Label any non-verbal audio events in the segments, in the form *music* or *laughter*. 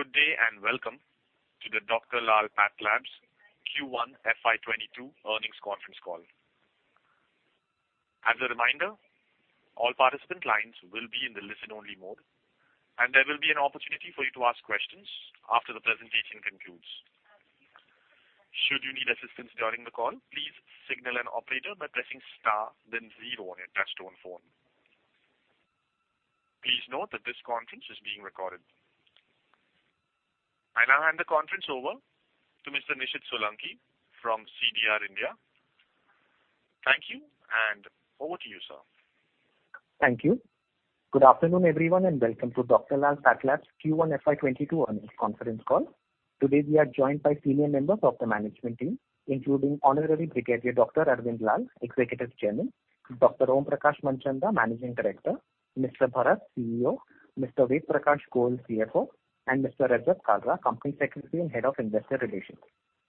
Good day. Welcome to the Dr. Lal PathLabs Q1 FY22 Earnings Conference Call. As a reminder, all participant lines will be in the listen-only mode, and there will be an opportunity for you to ask questions after the presentation concludes. Should you need assistance during the call, please signal an operator by pressing star then zero on your touch-tone phone. Please note that this conference is being recorded. I now hand the conference over to Mr. Nishit Solanki from CDR India. Thank you. Over to you, sir. Thank you. Good afternoon, everyone, and welcome to Dr. Lal PathLabs Q1 FY22 Earnings Conference Call. Today, we are joined by senior members of the management team, including Honorary Brigadier Dr. Arvind Lal, Executive Chairman, Dr. Om Prakash Manchanda, Managing Director, Mr. Bharath, CEO, Mr. Ved Prakash Goel, CFO, and Mr. Rajat Kalra, Company Secretary and Head of Investor Relations.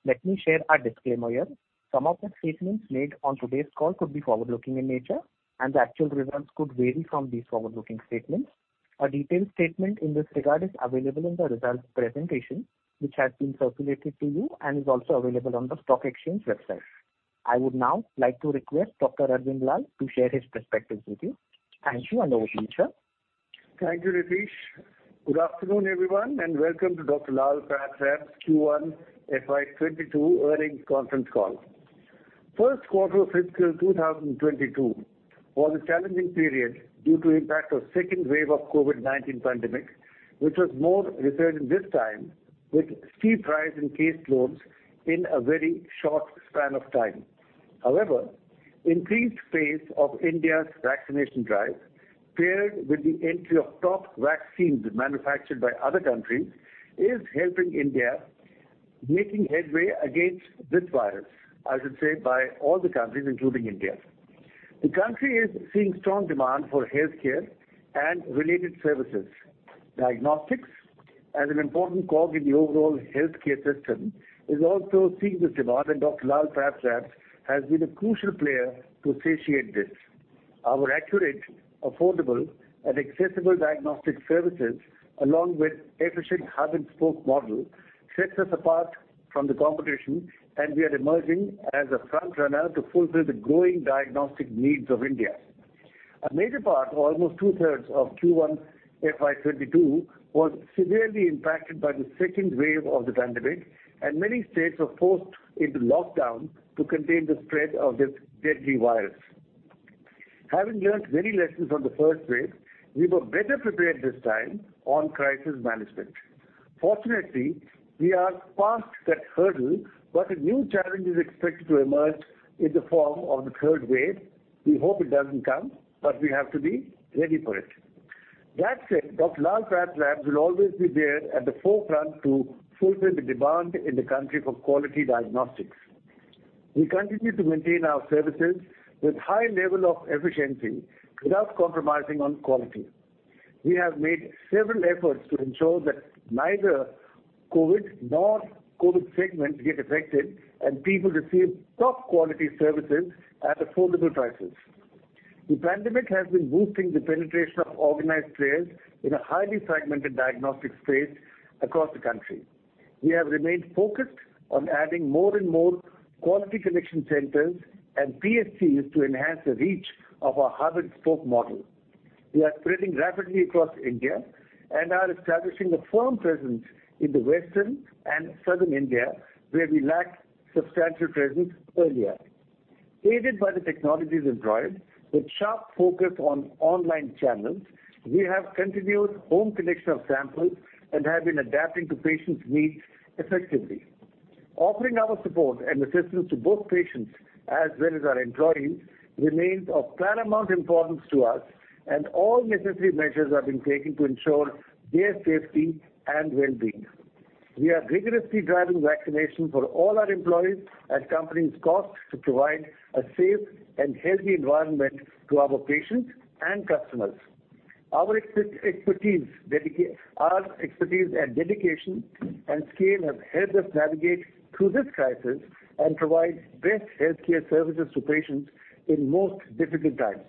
Let me share our disclaimer here. Some of the statements made on today's call could be forward-looking in nature, and the actual results could vary from these forward-looking statements. A detailed statement in this regard is available in the results presentation, which has been circulated to you and is also available on the stock exchange website. I would now like to request Dr. Arvind Lal to share his perspectives with you. Thank you, and over to you, sir. Thank you, Nishit. Good afternoon, everyone, and welcome to Dr. Lal PathLabs Q1 FY22 Earnings Conference Call. First quarter of fiscal 2022 was a challenging period due to impact of second wave of COVID-19 pandemic, which was more resilient this time with steep rise in case loads in a very short span of time. Increased pace of India's vaccination drive, paired with the entry of top vaccines manufactured by other countries, is helping India making headway against this virus, I should say, by all the countries, including India. The country is seeing strong demand for healthcare and related services. Diagnostics, as an important cog in the overall healthcare system, is also seeing this demand, and Dr. Lal PathLabs has been a crucial player to satiate this. Our accurate, affordable, and accessible diagnostic services, along with efficient hub-and-spoke model, sets us apart from the competition. We are emerging as a frontrunner to fulfill the growing diagnostic needs of India. A major part, almost 2/3 of Q1 FY22, was severely impacted by the second wave of the pandemic. Many states were forced into lockdown to contain the spread of this deadly virus. Having learned many lessons from the first wave, we were better prepared this time on crisis management. Fortunately, we are past that hurdle. A new challenge is expected to emerge in the form of the third wave. We hope it doesn't come. We have to be ready for it. That said, Dr. Lal PathLabs will always be there at the forefront to fulfill the demand in the country for quality diagnostics. We continue to maintain our services with high level of efficiency without compromising on quality. We have made several efforts to ensure that neither COVID nor COVID segments get affected, and people receive top-quality services at affordable prices. The pandemic has been boosting the penetration of organized players in a highly fragmented diagnostic space across the country. We have remained focused on adding more and more quality collection centers and PSCs to enhance the reach of our hub-and-spoke model. We are spreading rapidly across India and are establishing a firm presence in the western and southern India, where we lacked substantial presence earlier. Aided by the technologies employed, with sharp focus on online channels, we have continued home collection of samples and have been adapting to patients' needs effectively. Offering our support and assistance to both patients as well as our employees remains of paramount importance to us, and all necessary measures have been taken to ensure their safety and well-being. We are vigorously driving vaccination for all our employees at company's cost to provide a safe and healthy environment to our patients and customers. Our expertise and dedication and scale have helped us navigate through this crisis and provide best healthcare services to patients in most difficult times.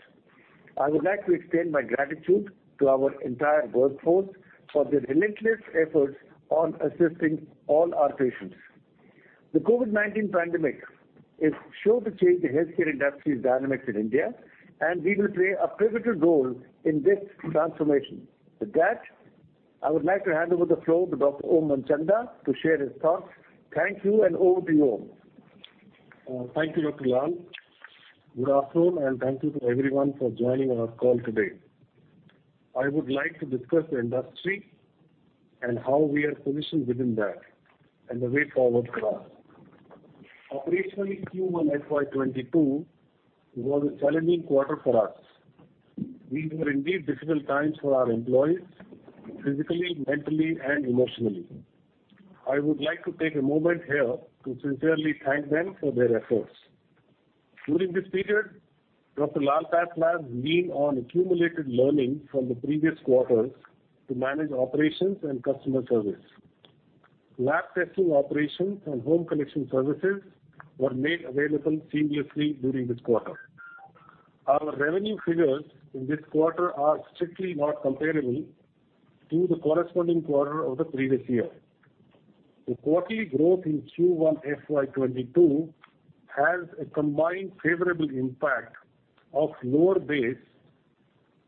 I would like to extend my gratitude to our entire workforce for their relentless efforts on assisting all our patients. The COVID-19 pandemic is sure to change the healthcare industry's dynamics in India, and we will play a pivotal role in this transformation. With that, I would like to hand over the floor to Dr. Om Manchanda to share his thoughts. Thank you, and over to you, Om. Thank you, Dr. Lal. Good afternoon, and thank you to everyone for joining our call today. I would like to discuss the industry and how we are positioned within that, and the way forward for us. Operationally, Q1 FY22 was a challenging quarter for us. These were indeed difficult times for our employees, physically, mentally, and emotionally. I would like to take a moment here to sincerely thank them for their efforts. During this period, Dr. Lal PathLabs leaned on accumulated learning from the previous quarters to manage operations and customer service Lab testing operations and home collection services were made available seamlessly during this quarter. Our revenue figures in this quarter are strictly not comparable to the corresponding quarter of the previous year. The quarterly growth in Q1 FY22 has a combined favorable impact of lower base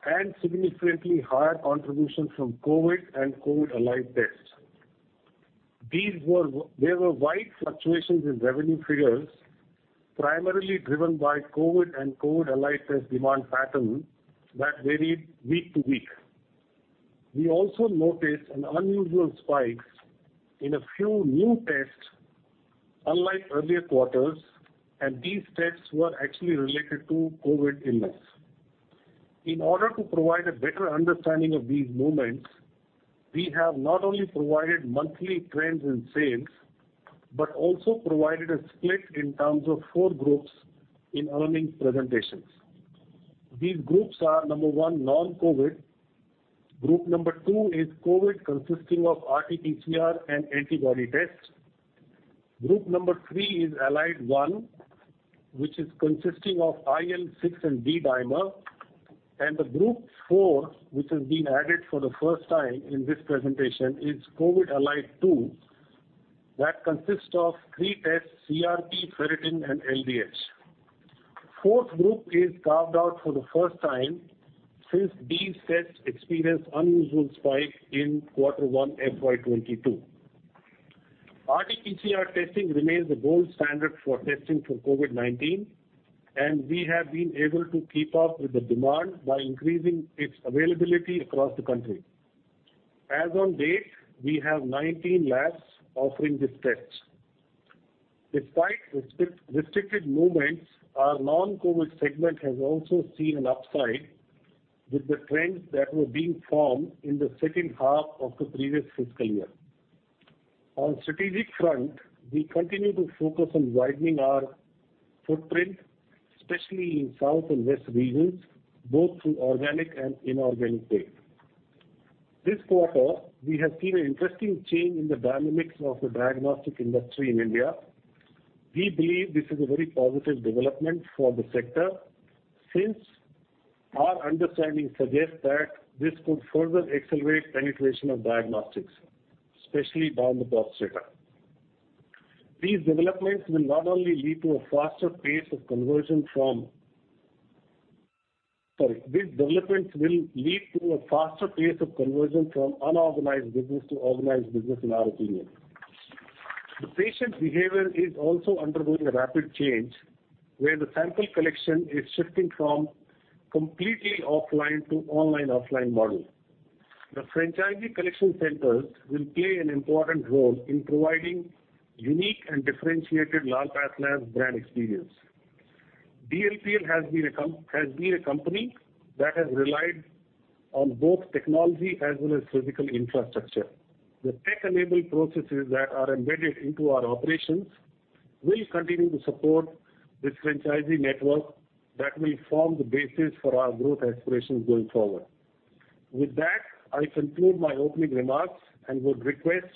and significantly higher contribution from COVID and COVID-allied tests. There were wide fluctuations in revenue figures, primarily driven by COVID and COVID-allied test demand patterns that varied week to week. We also noticed an unusual spike in a few new tests, unlike earlier quarters, and these tests were actually related to COVID illness. In order to provide a better understanding of these movements, we have not only provided monthly trends in sales, but also provided a split in terms of four groups in earnings presentations. These groups are, number one, non-COVID. Group number two is COVID, consisting of RT-PCR and antibody tests. Group number three is Allied one, which is consisting of IL-6 and D-dimer. The group four, which has been added for the first time in this presentation, is COVID Allied two, that consists of three tests, CRP, ferritin, and LDH. Fourth group is carved out for the first time since these tests experienced unusual spike in quarter one FY22. RT-PCR testing remains the gold standard for testing for COVID-19, and we have been able to keep up with the demand by increasing its availability across the country. As on date, we have 19 labs offering these tests. Despite restricted movements, our non-COVID segment has also seen an upside with the trends that were being formed in the second half of the previous fiscal year. On strategic front, we continue to focus on widening our footprint, especially in south and west regions, both through organic and inorganic ways. This quarter, we have seen an interesting change in the dynamics of the diagnostic industry in India. We believe this is a very positive development for the sector, since our understanding suggests that this could further accelerate penetration of diagnostics, especially down the cost setup. These developments will lead to a faster pace of conversion from unorganized business to organized business, in our opinion. The patient behavior is also undergoing a rapid change, where the sample collection is shifting from completely offline to online-offline model. The franchisee collection centers will play an important role in providing unique and differentiated Dr. Lal PathLabs brand experience. DLPL has been a company that has relied on both technology as well as physical infrastructure. The tech-enabled processes that are embedded into our operations will continue to support this franchisee network that will form the basis for our growth aspirations going forward. With that, I conclude my opening remarks and would request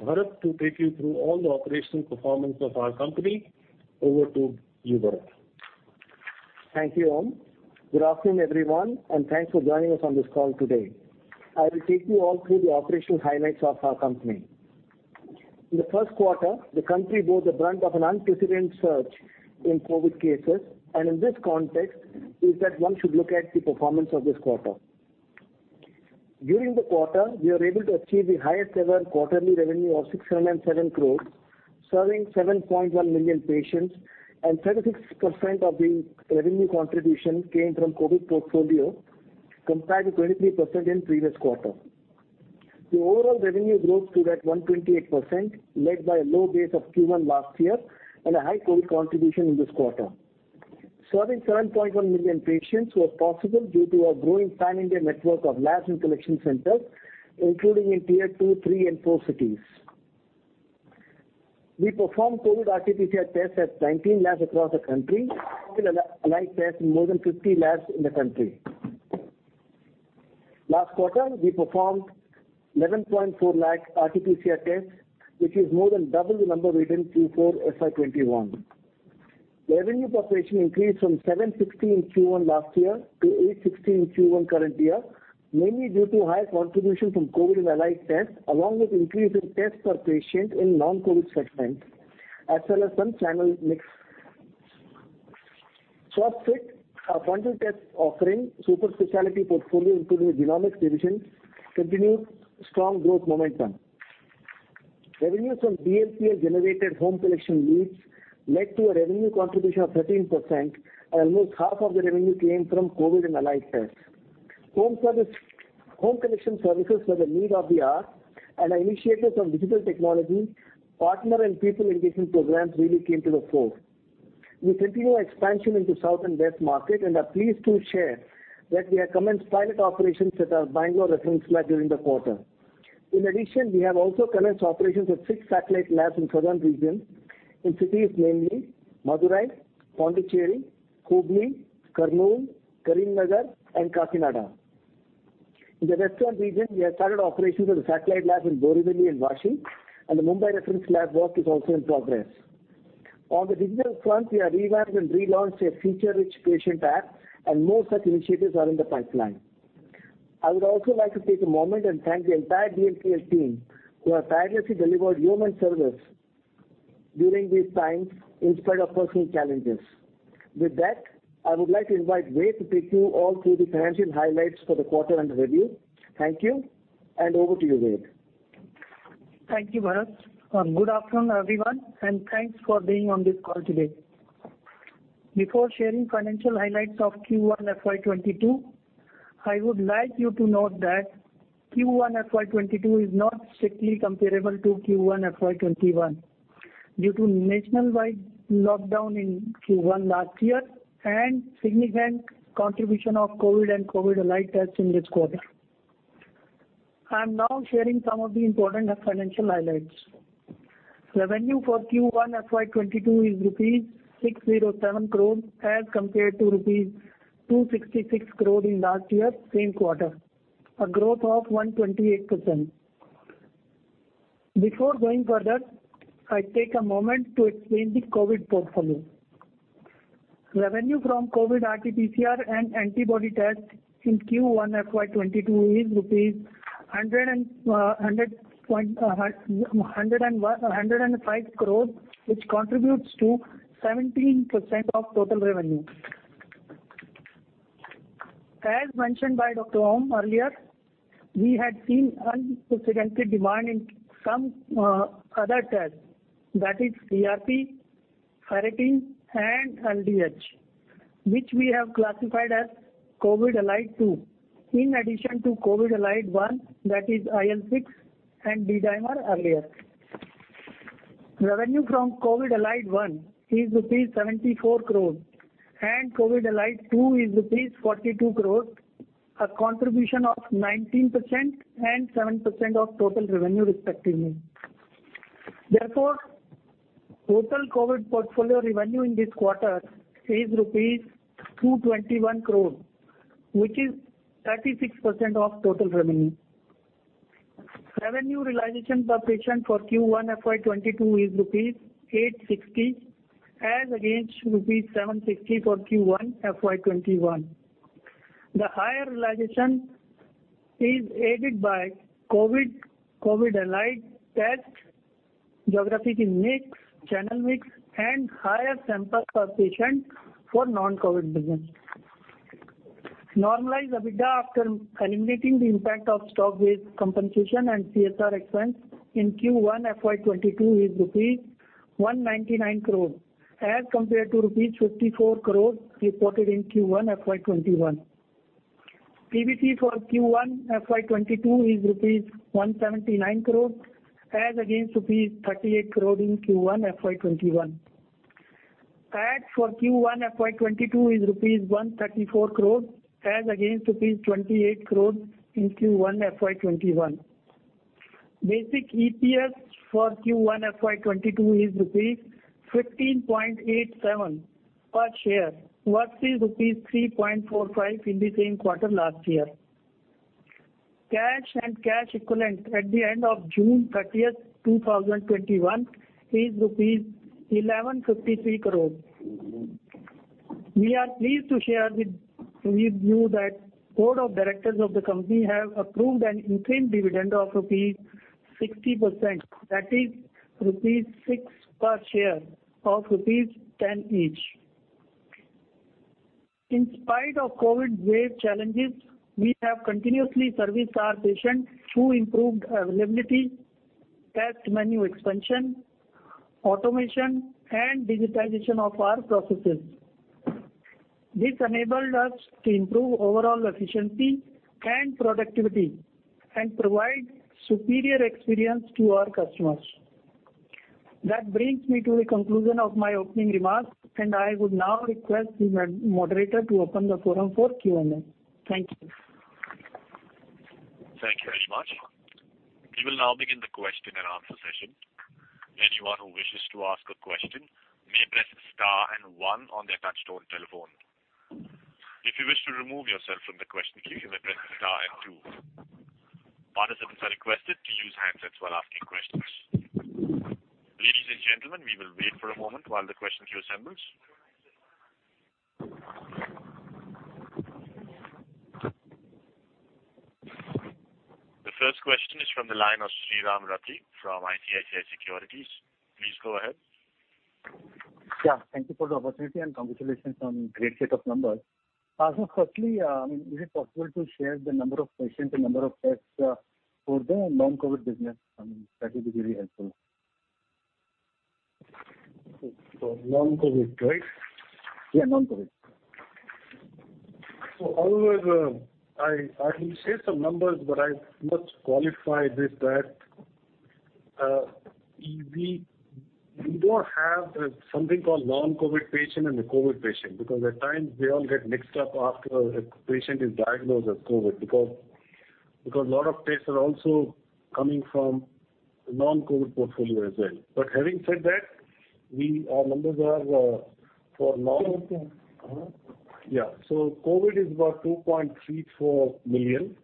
Bharath to take you through all the operational performance of our company. Over to you, Bharath. Thank you, Om. Good afternoon, everyone, and thanks for joining us on this call today. I will take you all through the operational highlights of our company. In the first quarter, the country bore the brunt of an unprecedented surge in COVID cases, and in this context is that one should look at the performance of this quarter. During the quarter, we were able to achieve the highest-ever quarterly revenue of 607 crore, serving 7.1 million patients, and 36% of the revenue contribution came from COVID portfolio, compared to 23% in previous quarter. The overall revenue growth stood at 128%, led by a low base of Q1 last year and a high COVID contribution in this quarter. Serving 7.1 million patients was possible due to our growing pan-India network of labs and collection centers, including in Tier two, three, and four cities. We performed COVID RT-PCR tests at 19 labs across the country and COVID-allied tests in more than 50 labs in the country. Last quarter, we performed 11.4 lakh RT-PCR tests, which is more than double the number we did in Q4 FY21. Revenue per patient increased from 7.16 in Q1 last year to 8.16 in Q1 current year, mainly due to high contribution from COVID-allied tests, along with increase in tests per patient in non-COVID segments, as well as some channel mix. SwasthFit, our point-of-care offering, super specialty portfolio including genomics division, continued strong growth momentum. Revenues from DLPL-generated home collection leads led to a revenue contribution of 13%. Almost half of the revenue came from COVID-allied tests. Home collection services were the need of the hour. Our initiatives on digital technology, partner and people engagement programs really came to the fore. We continue our expansion into South and West market and are pleased to share that we have commenced pilot operations at our Bangalore reference lab during the quarter. We have also commenced operations at six satellite labs in Southern region, in cities namely Madurai, Pondicherry, Hubli, Kurnool, Karimnagar, and Kasaragod. In the Western region, we have started operations of the satellite lab in Borivali and Vashi, and the Mumbai reference lab work is also in progress. On the digital front, we have revamped and relaunched a feature-rich patient app, and more such initiatives are in the pipeline. I would also like to take a moment and thank the entire DLPL team, who have tirelessly delivered human service during these times in spite of personal challenges. With that, I would like to invite Ved to take you all through the financial highlights for the quarter under review. Thank you, and over to you, Ved. Thank you, Bharath. Good afternoon, everyone, thanks for being on this call today. Before sharing financial highlights of Q1 FY 2022, I would like you to note that Q1 FY 2022 is not strictly comparable to Q1 FY 2021 due to nationwide lockdown in Q1 last year and significant contribution of COVID and COVID-allied tests in this quarter. I'm now sharing some of the important financial highlights. Revenue for Q1 FY 2022 is rupees 607 crores as compared to rupees 266 crores in last year's same quarter, a growth of 128%. Before going further, I take a moment to explain the COVID portfolio. Revenue from COVID RT-PCR and antibody tests in Q1 FY 2022 is INR 105 crores, which contributes to 17% of total revenue. As mentioned by Dr. Om earlier, we had seen unprecedented demand in some other tests. That is CRP, ferritin, and LDH, which we have classified as COVID-allied two, in addition to COVID-allied one, that is IL-6 and D-dimer earlier. Revenue from COVID-allied one is rupees 74 crores and COVID-allied two is rupees 42 crores, a contribution of 19% and 7% of total revenue respectively. Therefore, total COVID portfolio revenue in this quarter is rupees 221 crores, which is 36% of total revenue. Revenue realization per patient for Q1 FY22 is rupees 860 as against rupees 760 for Q1 FY21. The higher realization is aided by COVID-allied tests, geographic mix, channel mix, and higher samples per patient for non-COVID business. Normalized EBITDA after eliminating the impact of stock-based compensation and CSR expense in Q1 FY22 is rupees 199 crores as compared to rupees 54 crores reported in Q1 FY21. PBT for Q1 FY22 is rupees 179 crores as against rupees 38 crores in Q1 FY21. Tax for Q1 FY 2022 is rupees 134 crores as against rupees 28 crores in Q1 FY 2021. Basic EPS for Q1 FY 2022 is INR 15.87 per share versus INR 3.45 in the same quarter last year. Cash and cash equivalents at the end of June 30th 2021 is rupees 1,153 crores. We are pleased to share with you that board of directors of the company have approved an interim dividend of INR 60%, that is rupees 6 per share of rupees 10 each. In spite of COVID-19 wave challenges, we have continuously serviced our patients through improved availability, test menu expansion, automation, and digitization of our processes. This enabled us to improve overall efficiency and productivity and provide superior experience to our customers. That brings me to the conclusion of my opening remarks. I would now request the moderator to open the forum for Q and A. Thank you. Thank you very much. We will now begin the question and answer session. Anyone who wishes to ask a question may press star and one on their touch-tone telephone. If you wish to remove yourself from the question queue, you may press star and two. Participants are requested to use handsets while asking questions. Ladies and gentlemen, we will wait for a moment while the question queue assembles. The first question is from the line of Sriraam Rathi from ICICI Securities. Please go ahead. Yeah. Thank you for the opportunity, congratulations on great set of numbers. Firstly, is it possible to share the number of patients and number of tests for the non-COVID business? That would be really helpful. For non-COVID, right? Yeah, non-COVID. Always, I will share some numbers. I must qualify with that we don't have something called non-COVID patient and a COVID patient. At times they all get mixed up after a patient is diagnosed as COVID. A lot of tests are also coming from the non-COVID portfolio as well. Having said that, our numbers are for non... Okay. Yes. COVID is about 2.34 million,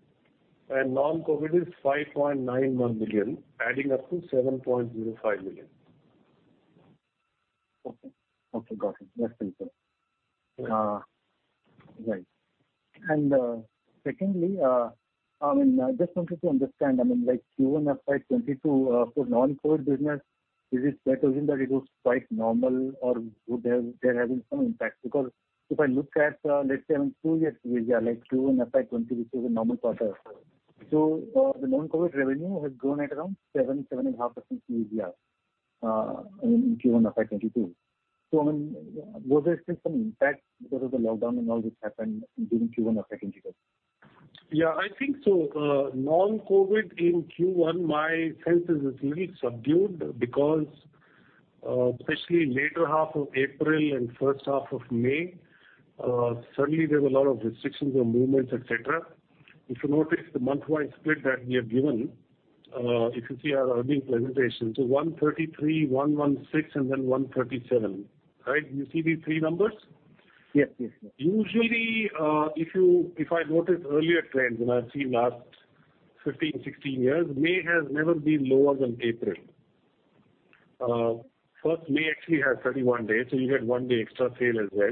and non-COVID is 5.91 million, adding up to 7.05 million. Okay. Got it. That's clear, sir. Right. Secondly, I just wanted to understand, like Q1 FY 2022, for non-COVID business, is it fair to assume that it was quite normal, or there has been some impact? If I look at, let's say even two years ago, like Q1 FY 2020, which was a normal quarter. The non-COVID revenue has grown at around 7%-7.5% CAGR in Q1 FY 2022. Was there still some impact because of the lockdown and all this happened during Q1 FY 2022? Yeah, I think so. Non-COVID in Q1, my sense is it's really subdued because especially later half of April and first half of May, suddenly there were a lot of restrictions on movements, et cetera. If you notice the month-wide split that we have given, if you see our earnings presentation, so 133, 116, and then 137. Right, you see these three numbers? Yes. Usually, if I notice earlier trends, and I've seen the last 15, 16 years, May has never been lower than April. First, May actually has 31 days, so you get one day extra sale as well.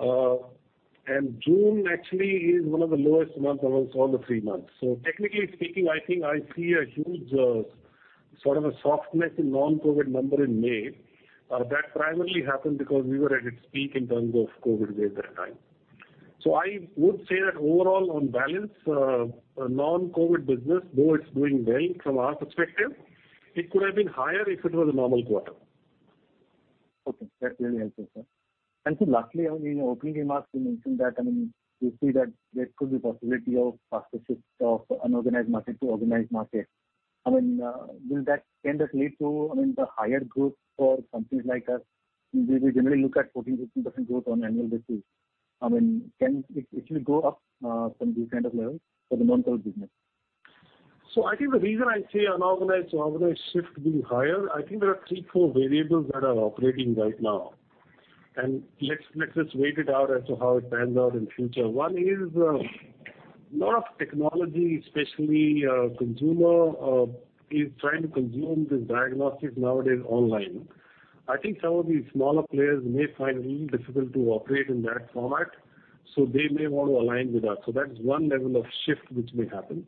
June actually is one of the lowest months amongst all the three months. Technically speaking, I think I see a huge sort of a softness in non-COVID number in May. That primarily happened because we were at its peak in terms of COVID wave that time. I would say that overall, on balance, non-COVID business, though it's doing well from our perspective, it could have been higher if it was a normal quarter. Okay, that really helps me, sir. Sir, lastly, in your opening remarks, you mentioned that you see that there could be possibility of faster shift of unorganized market to organized market. Can that lead to the higher growth for companies like us? We generally look at 14%-15% growth on annual basis. It will go up from these kind of levels for the non-COVID business. I think the reason I say unorganized to organized shift will be higher, I think there are three, four variables that are operating right now. Let's just wait it out as to how it pans out in future. One is a lot of technology, especially consumer, is trying to consume this diagnostic nowadays online. I think some of these smaller players may find it really difficult to operate in that format, so they may want to align with us. That's one level of shift which may happen.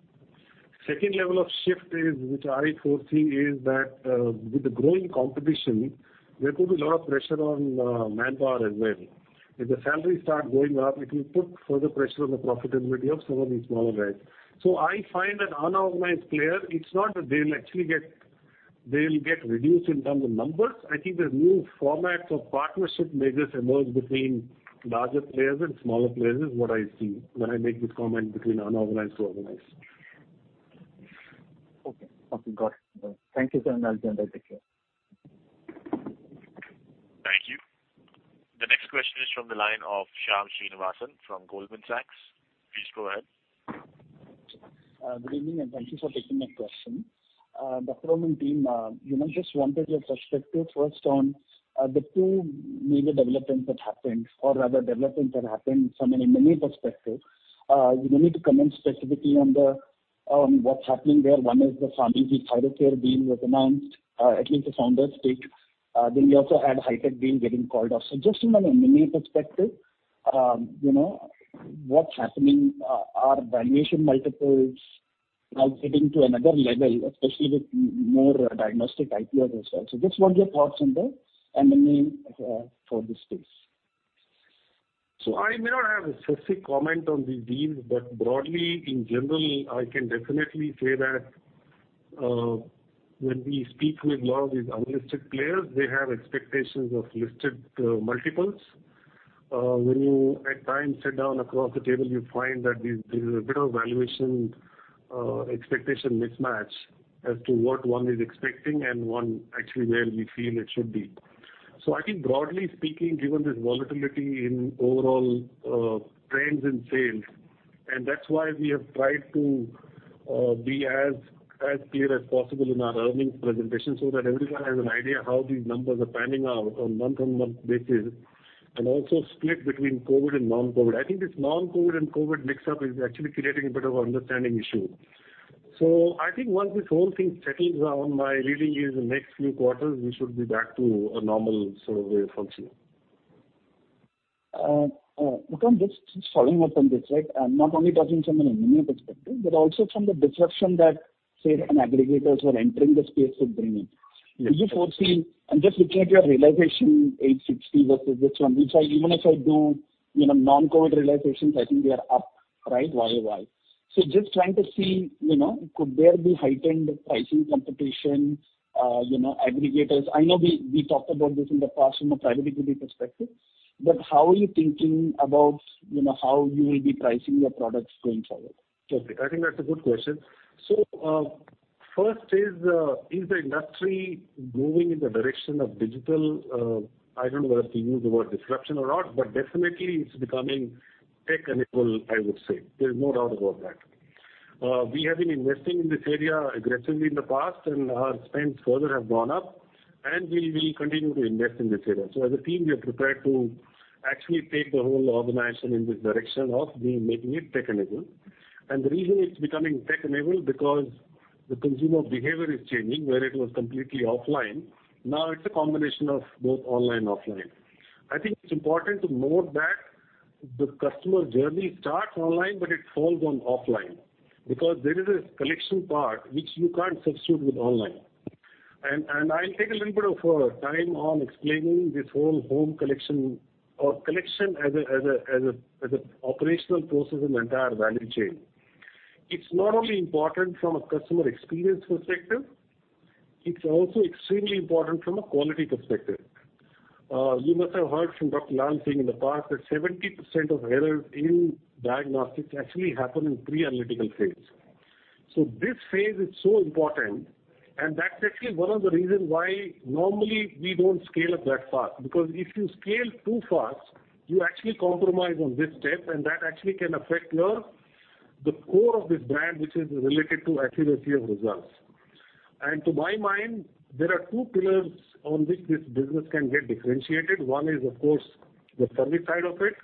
Second level of shift which I foresee is that with the growing competition, there could be a lot of pressure on manpower as well. If the salary starts going up, it will put further pressure on the profitability of some of these smaller guys. I find that unorganized player, it's not that they'll get reduced in terms of numbers. I think there's new formats of partnership may just emerge between larger players and smaller players, is what I see when I make this comment between unorganized to organized. Okay, got it. Thank you, sir. I'll turn that picture. Thank you. The next question is from the line of Shyam Srinivasan from Goldman Sachs. Please go ahead. Good evening, thank you for taking my question. Dr. Lal and team, just wanted your perspective first on the two major developments that happened, or rather developments that happened from an M&A perspective. You need to comment specifically on what's happening there. One is the PharmEasy deal was announced, at least the founder stake. We also had a Hitech deal getting called off. Just from an M&A perspective, what's happening? Are valuation multiples now getting to another level, especially with more diagnostic IPOs as well? Just what are your thoughts on the M&A for this space? I may not have a specific comment on these deals, but broadly, in general, I can definitely say that when we speak with a lot of these unlisted players, they have expectations of listed multiples. When you, at times, sit down across the table, you find that there is a bit of valuation expectation mismatch as to what one is expecting and one actually where we feel it should be. I think broadly speaking, given this volatility in overall trends in sales, and that's why we have tried to be as clear as possible in our earnings presentation so that everyone has an idea how these numbers are panning out on month-on-month basis, and also split between COVID and non-COVID. I think this non-COVID and COVID mix-up is actually creating a bit of understanding issue. I think once this whole thing settles down, my reading is in the next few quarters, we should be back to a normal sort of way of functioning. Just following up on this. I'm not only talking from an M&A perspective, but also from the disruption that, say, some aggregators who are entering the space would bring in. Do you foresee, I'm just looking at your realization, 860 versus this one, which even if I do non-COVID realizations, I think they are up right year-over-year. Just trying to see, could there be heightened pricing competition, aggregators? I know we talked about this in the past from a profitability perspective, but how are you thinking about how you will be pricing your products going forward? I think that's a good question. First, is the industry moving in the direction of digital? I don't know whether to use the word disruption or not, definitely it's becoming tech-enabled, I would say. There's no doubt about that. We have been investing in this area aggressively in the past, our spends further have gone up, and we will continue to invest in this area. As a team, we are prepared to actually take the whole organization in this direction of making it tech-enabled. The reason it's becoming tech-enabled is because the consumer behavior is changing, where it was completely offline, now it's a combination of both online and offline. I think it's important to note that the customer journey starts online, it falls on offline. There is a collection part, which you can't substitute with online. I'll take a little bit of time on explaining this whole home collection or collection as an operational process in the entire value chain. It's not only important from a customer experience perspective, it's also extremely important from a quality perspective. You must have heard from Dr. Lal saying in the past that 70% of errors in diagnostics actually happen in pre-analytical phase. This phase is so important, and that's actually one of the reasons why normally we don't scale up that fast, because if you scale too fast, you actually compromise on this step, and that actually can affect the core of this brand, which is related to accuracy of results. To my mind, there are two pillars on which this business can get differentiated. One is, of course, the service side of it,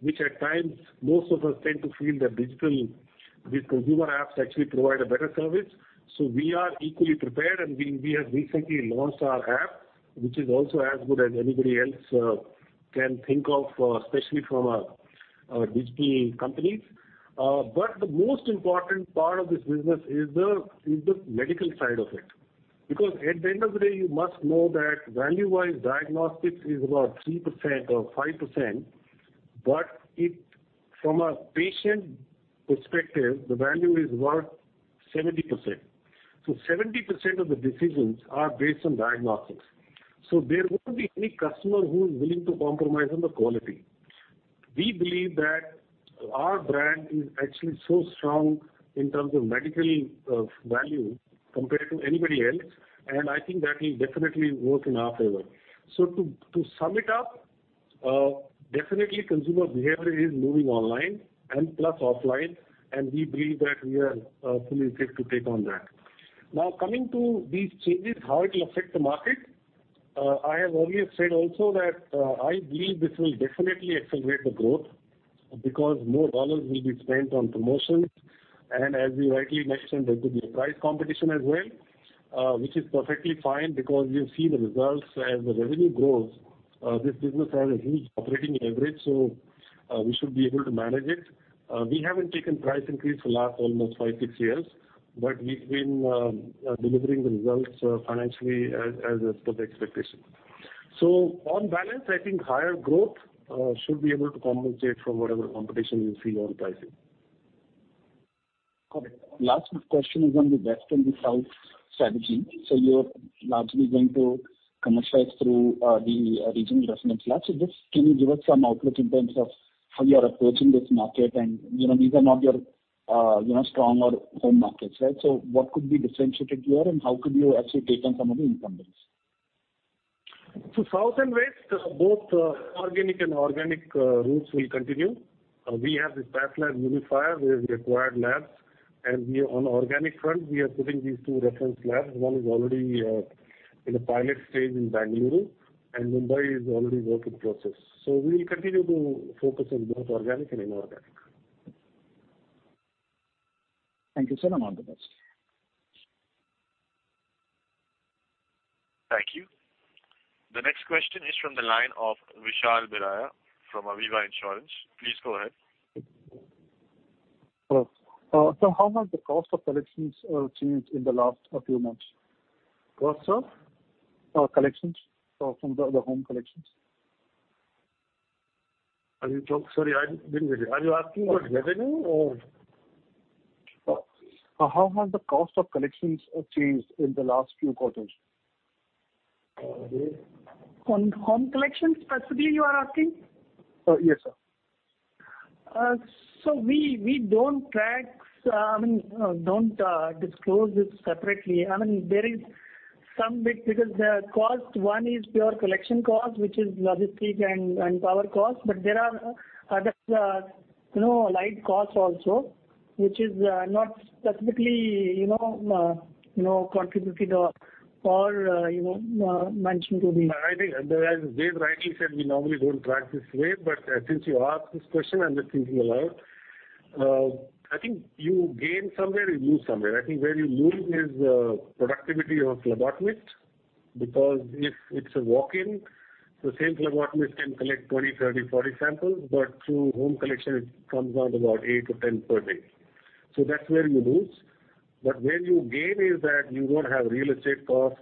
which at times most of us tend to feel the digital, these consumer apps actually provide a better service. We are equally prepared, and we have recently launched our app, which is also as good as anybody else can think of, especially from a digital company. The most important part of this business is the medical side of it. At the end of the day, you must know that value-wise, diagnostics is about 3% or 5%, but from a patient perspective, the value is worth 70%. 70% of the decisions are based on diagnostics. There won't be any customer who is willing to compromise on the quality. We believe that our brand is actually so strong in terms of medical value compared to anybody else, and I think that will definitely work in our favor. To sum it up, definitely consumer behavior is moving online and plus offline, and we believe that we are fully equipped to take on that. Coming to these changes, how it will affect the market, I have earlier said also that I believe this will definitely accelerate the growth because more dollars will be spent on promotions. As we rightly mentioned, there could be a price competition as well, which is perfectly fine because you've seen the results. As the revenue grows, this business has a huge operating leverage, so we should be able to manage it. We haven't taken a price increase for the last almost five, six years, but we've been delivering the results financially as per the expectation. On balance, I think higher growth should be able to compensate for whatever competition we see on pricing. Correct. Last question is on the West and the South strategy. You're largely going to commercialize through the regional reference labs. Just can you give us some outlook in terms of how you are approaching this market? These are not your strong or home markets, right? What could be differentiated here, and how could you actually take on some of the incumbents? South and West, both organic and inorganic routes will continue. We have this PathLab Unifier where we acquired labs, and on organic front, we are putting these two reference labs. One is already in the pilot stage in Bengaluru, and Mumbai is already a work in process. We will continue to focus on both organic and inorganic. Thank you, sir, and all the best. Thank you. The next question is from the line of Vishal Biraia from Aviva Insurance. Please go ahead. Hello. How has the cost of collections changed in the last few months? Cost of? Collections. From the home collections. Sorry, I didn't get it. Are you asking about revenue or collections? How has the cost of collections changed in the last few quarters? On home collections specifically, you are asking? Yes, sir. We don't disclose this separately. There is some bit because the cost, one is pure collection cost, which is logistics and power cost, but there are other light costs also, which is not specifically contributed or mentioned. I think as Ved rightly said, we normally don't track this way, but since you asked this question, I'm just thinking aloud. I think you gain somewhere, you lose somewhere. I think where you lose is productivity of phlebotomist, because if it's a walk-in, the same phlebotomist can collect 20, 30, 40 samples, but through home collection, it comes down to about 8-10 per day. That's where you lose. Where you gain is that you don't have real estate costs.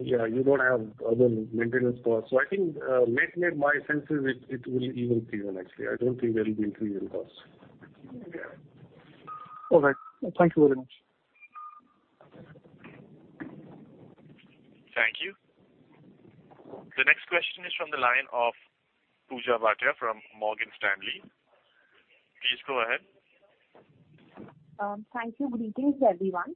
You don't have other maintenance costs. I think net-net, my sense is it will *inaudible* actually. I don't think there will be increase in cost. All right. Thank you very much. Line of Pooja Bhatia from Morgan Stanley. Please go ahead. Thank you. Greetings, everyone.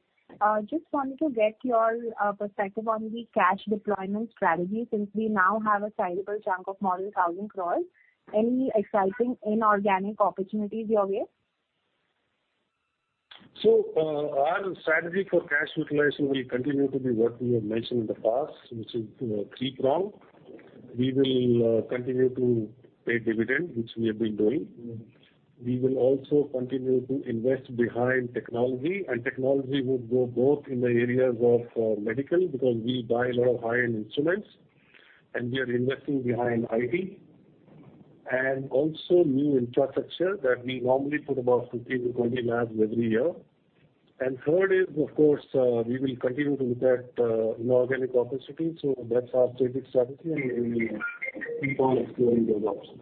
Just wanted to get your perspective on the cash deployment strategy, since we now have a sizable chunk of more than 1,000 crores. Any exciting inorganic opportunities your way? Our strategy for cash utilization will continue to be what we have mentioned in the past, which is three-pronged. We will continue to pay dividend, which we have been doing. We will also continue to invest behind technology, and technology would go both in the areas of medical, because we buy a lot of high-end instruments, and we are investing behind IT, and also new infrastructure that we normally put about 15-20 labs every year. Third is, of course, we will continue to look at inorganic opportunities. That's our strategic strategy, and we will keep on exploring those options.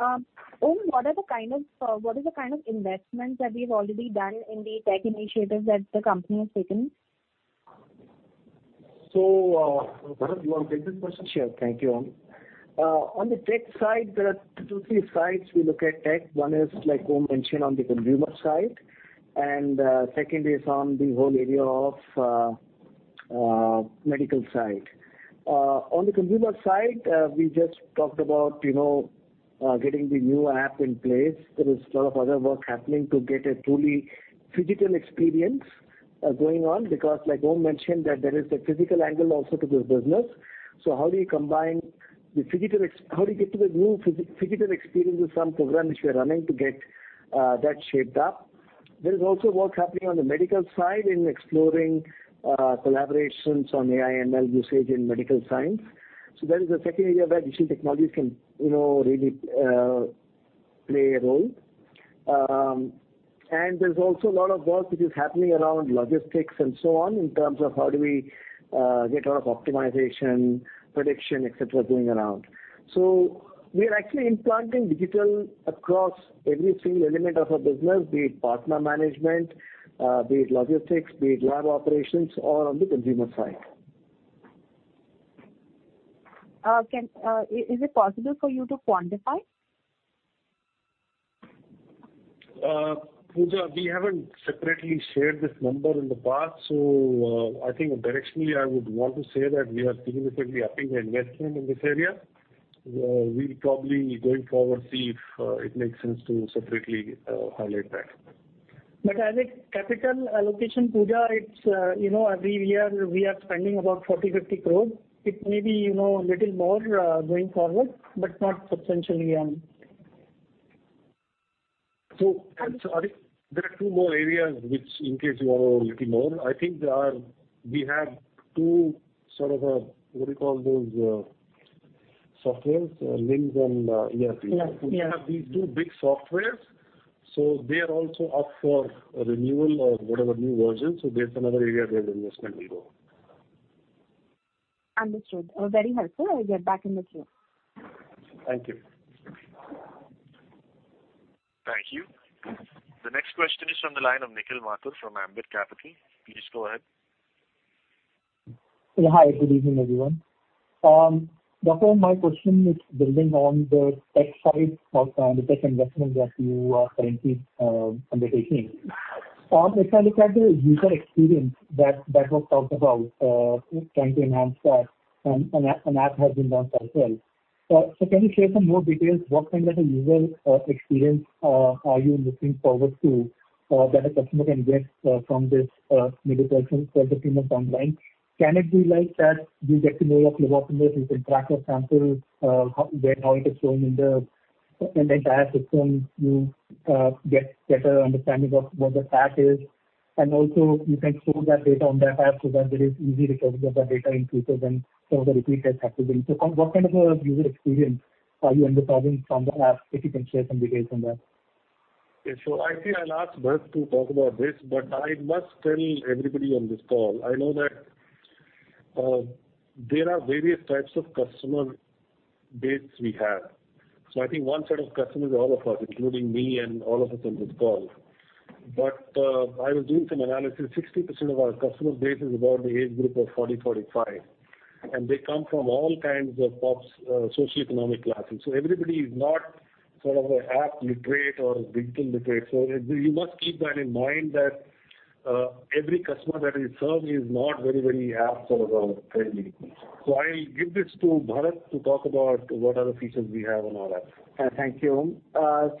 Om, what is the kind of investment that we've already done in the tech initiatives that the company has taken? Bharat, you want to take this question? Sure. Thank you, Om. On the tech side, there are two, three sides we look at tech. One is, like Om mentioned, on the consumer side, and second is on the whole area of medical side. On the consumer side, we just talked about getting the new app in place. There is a lot of other work happening to get a truly phygital experience going on, because like Om mentioned, that there is a physical angle also to this business. How do you get to the new phygital experience is some program which we are running to get that shaped up. There is also work happening on the medical side in exploring collaborations on AI/ML usage in medical science. That is the second area where digital technologies can really play a role. There's also a lot of work which is happening around logistics and so on, in terms of how do we get a lot of optimization, prediction, et cetera, going around. We are actually implanting digital across every single element of our business, be it partner management, be it logistics, be it lab operations, or on the consumer side. Is it possible for you to quantify? Pooja, we haven't separately shared this number in the past. I think directionally, I would want to say that we are significantly upping the investment in this area. We'll probably, going forward, see if it makes sense to separately highlight that. As a capital allocation, Pooja, every year we are spending about 40 crore-50 crore. It may be a little more going forward, but not substantially. There are two more areas which in case you want to know a little more, I think we have two softwares, LIMS and ERP. Yeah. We have these two big softwares. They are also up for renewal or whatever new version. That's another area where the investment will go. Understood. Very helpful. I'll get back in the queue. Thank you. Thank you. The next question is from the line of Nikhil Mathur from Ambit Capital. Please go ahead. Hi, good evening, everyone. Dr. My question is building on the tech side of the tech investment that you are currently undertaking. If I look at the user experience that was talked about, trying to enhance that, and an app has been launched as well. Can you share some more details, what kind of a user experience are you looking forward to that a customer can get from this medical service, which is online? Can it be like that you get to know your phlebotomist, you can track your sample, how it is flowing in the entire system, you get better understanding of what the path is, and also you can store that data on the app so that it is easy to capture that data in future. What kind of a user experience are you encompassing from the app, if you can share some details on that? I think I'll ask Bharath to talk about this. I must tell everybody on this call, I know that there are various types of customer base we have. I think one set of customers are all of us, including me and all of us on this call. I was doing some analysis, 60% of our customer base is about the age group of 40, 45, and they come from all kinds of socioeconomic classes. Everybody is not an app literate or digital literate. You must keep that in mind that every customer that we serve is not very app friendly. I'll give this to Bharath to talk about what are the features we have on our app. Thank you, Om.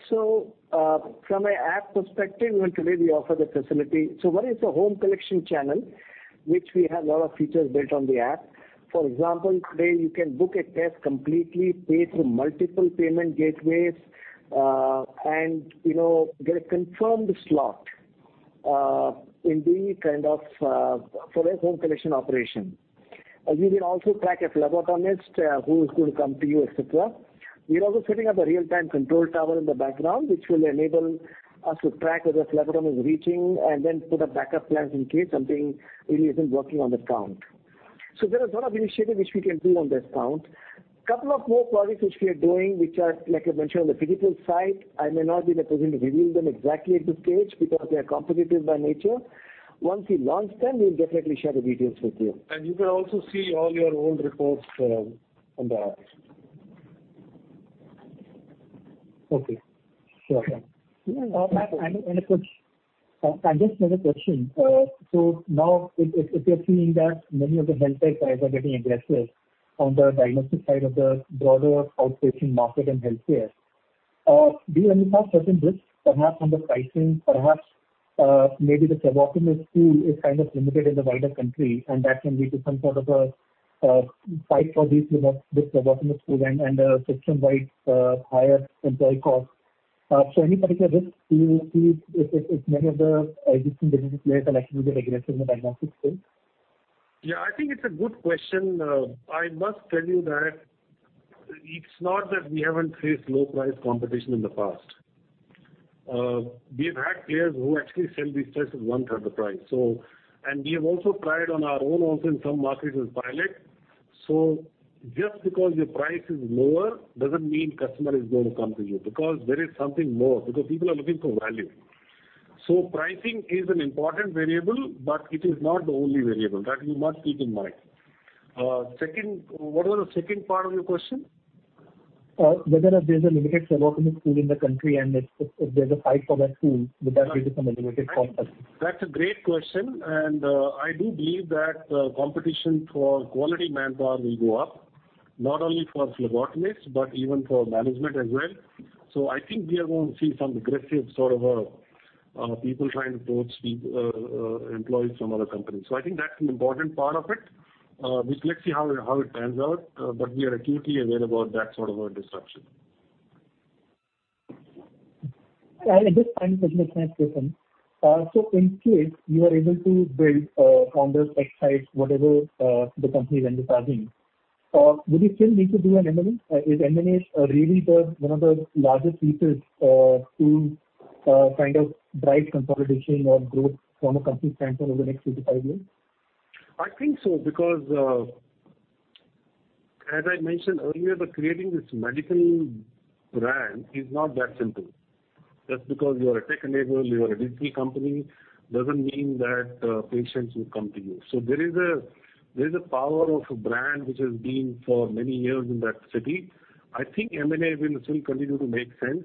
From an app perspective, today we offer the facility. One is the home collection channel, which we have a lot of features built on the app. For example, today you can book a test completely, pay through multiple payment gateways, and get a confirmed slot for a home collection operation. We can also track a phlebotomist, who's going to come to you, et cetera. We are also setting up a real-time control tower in the background, which will enable us to track whether a phlebotomist is reaching, and then put a backup plan in case something really isn't working on that count. There is a lot of initiative which we can do on this count. A couple of more projects which we are doing, which are, like I mentioned, on the physical side. I may not be in a position to reveal them exactly at this stage because they are competitive by nature. Once we launch them, we'll definitely share the details with you. You can also see all your old reports on the app. Okay. Sure. And, can I just make a question? Sure. Now if you're seeing that many of the health tech guys are getting aggressive on the diagnostic side of the broader outpatient market and healthcare, do you anticipate certain risks, perhaps on the pricing, perhaps maybe the phlebotomist pool is kind of limited in the wider country, and that can lead to some sort of a fight for these phlebotomist pool and a system-wide higher employee cost? Any particular risk do you see if many of the existing business players are actually getting aggressive in the diagnostic space? Yeah, I think it's a good question. I must tell you that it's not that we haven't faced low-price competition in the past. We have had players who actually sell these tests at 1/3 the price. We have also tried on our own also in some markets as pilot. Just because your price is lower, doesn't mean customer is going to come to you because there is something more, because people are looking for value. Pricing is an important variable, but it is not the only variable. That we must keep in mind. What was the second part of your question? Whether there's a limited phlebotomist pool in the country, and if there's a fight for that pool, would that lead to some elevated cost? That's a great question. I do believe that competition for quality manpower will go up, not only for phlebotomists, but even for management as well. I think we are going to see some aggressive people trying to poach employees from other companies. I think that's an important part of it. Let's see how it pans out but we are acutely aware about that sort of a disruption. Just one question, Om. In case you are able to build founders' appetite, whatever the company is envisaging, would you still need to do an M&A? Is M&A really one of the largest levers to drive consolidation or growth from a company standpoint over the next three to five years? I think so, because as I mentioned earlier, creating this medical brand is not that simple. Just because you are a tech enabler, you are a digital company, doesn't mean that patients will come to you. There is a power of a brand which has been for many years in that city. I think M&A will still continue to make sense,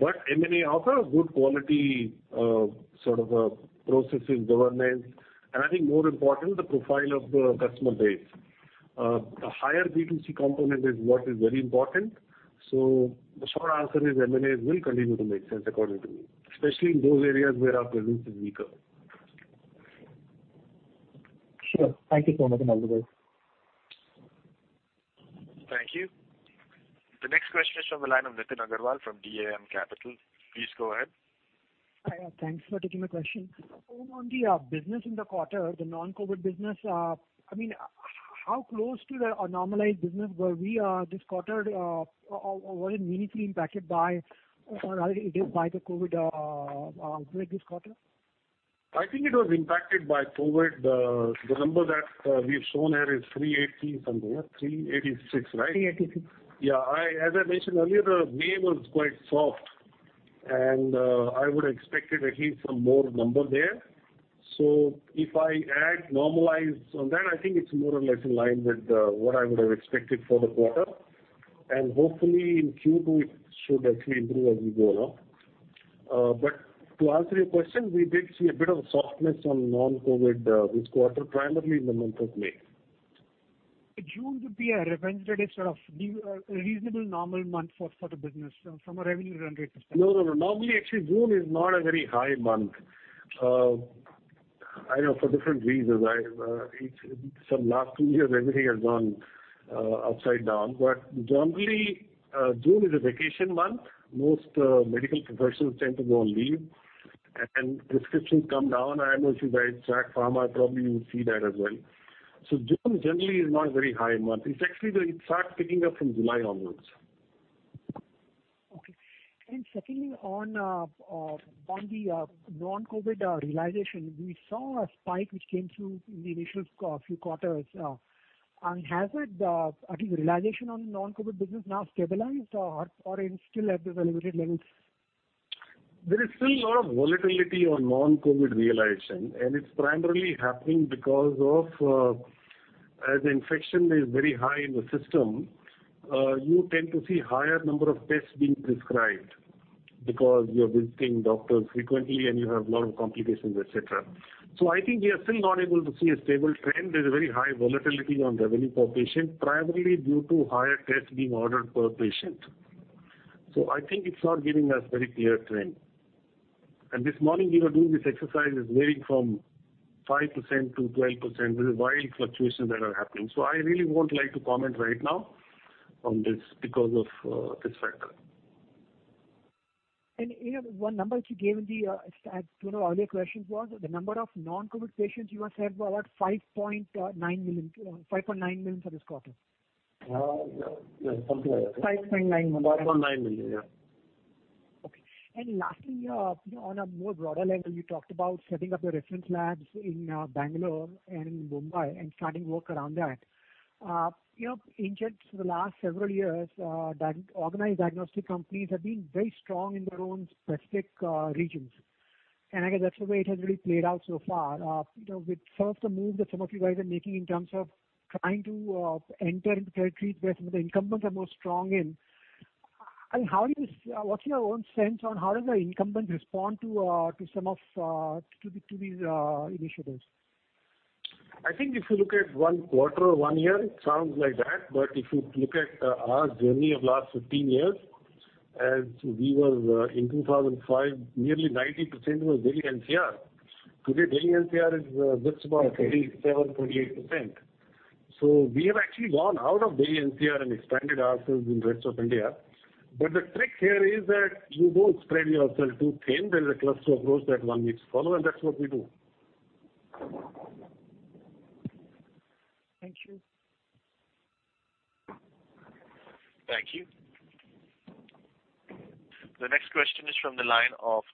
M&A offer good quality processes, governance, and I think more important, the profile of the customer base. A higher B2C component is what is very important. The short answer is M&As will continue to make sense according to me, especially in those areas where our presence is weaker. Sure. Thank you so much. Thank you. The next question is from the line of Nitin Agarwal from DAM Capital. Please go ahead. Hi. Thanks for taking my question. On the business in the quarter, the non-COVID business, how close to the normalized business were we this quarter? Was it meaningfully impacted by the COVID this quarter? I think it was impacted by COVID. The number that we've shown here is 380 something. 386, right? Yeah. As I mentioned earlier, May was quite soft, and I would have expected at least some more number there. If I add normalized on that, I think it's more or less in line with what I would have expected for the quarter. Hopefully in Q2, it should actually improve as we go along. To answer your question, we did see a bit of softness on non-COVID this quarter, primarily in the month of May. June would be a revenge, let's say, sort of a reasonable normal month for the business from a revenue run rate perspective. Normally, actually, June is not a very high month. I know for different reasons. Some last two years, everything has gone upside down. Generally, June is a vacation month. Most medical professionals tend to go on leave, and prescriptions come down. I know since I track pharma, I probably would see that as well. June generally is not a very high month. It actually starts picking up from July onwards. Okay. Secondly, on the non-COVID realization, we saw a spike which came through in the initial few quarters. Has it, I think, realization on non-COVID business now stabilized or is still at the elevated levels? There is still a lot of volatility on non-COVID realization, and it's primarily happening because of, as infection is very high in the system, you tend to see higher number of tests being prescribed because you're visiting doctors frequently and you have a lot of complications, et cetera. I think we are still not able to see a stable trend. There's a very high volatility on revenue per patient, primarily due to higher tests being ordered per patient. I think it's not giving us very clear trend. This morning, we were doing this exercise, is varying from 5%-12%. These are wild fluctuations that are happening. I really won't like to comment right now on this because of this factor. One number that you gave in the stats to one of earlier questions was the number of non-COVID patients you have served were at 5.9 million for this quarter. Yeah, something like that. 5.9 million. 5.9 million, yeah. Lastly, on a more broader level, you talked about setting up your reference labs in Bangalore and Mumbai and starting work around that. In the last several years, organized diagnostic companies have been very strong in their own specific regions, and I guess that's the way it has really played out so far. With some of the moves that some of you guys are making in terms of trying to enter into territories where some of the incumbents are most strong in, what's your own sense on how does the incumbent respond to these initiatives? I think if you look at one quarter or one year, it sounds like that. If you look at our journey of last 15 years, as we were in 2005, nearly 90% was Delhi NCR. Today, Delhi NCR is just about 27%, 28%. We have actually gone out of Delhi NCR and expanded ourselves in rest of India. The trick here is that you don't spread yourself too thin. There is a cluster approach that one needs to follow, and that's what we do. Thank you. Thank you. The next question is from the line of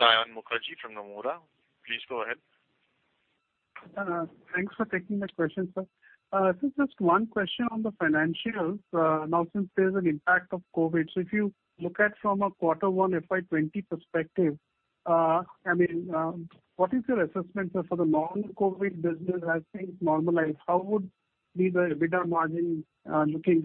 Saion Mukherjee from Nomura. Please go ahead. Thanks for taking the question, sir. This is just one question on the financials. Since there's an impact of COVID, if you look at from a Quarter One FY 2020 perspective, what is your assessment, sir, for the non-COVID business as things normalize? How would be the EBITDA margin looking?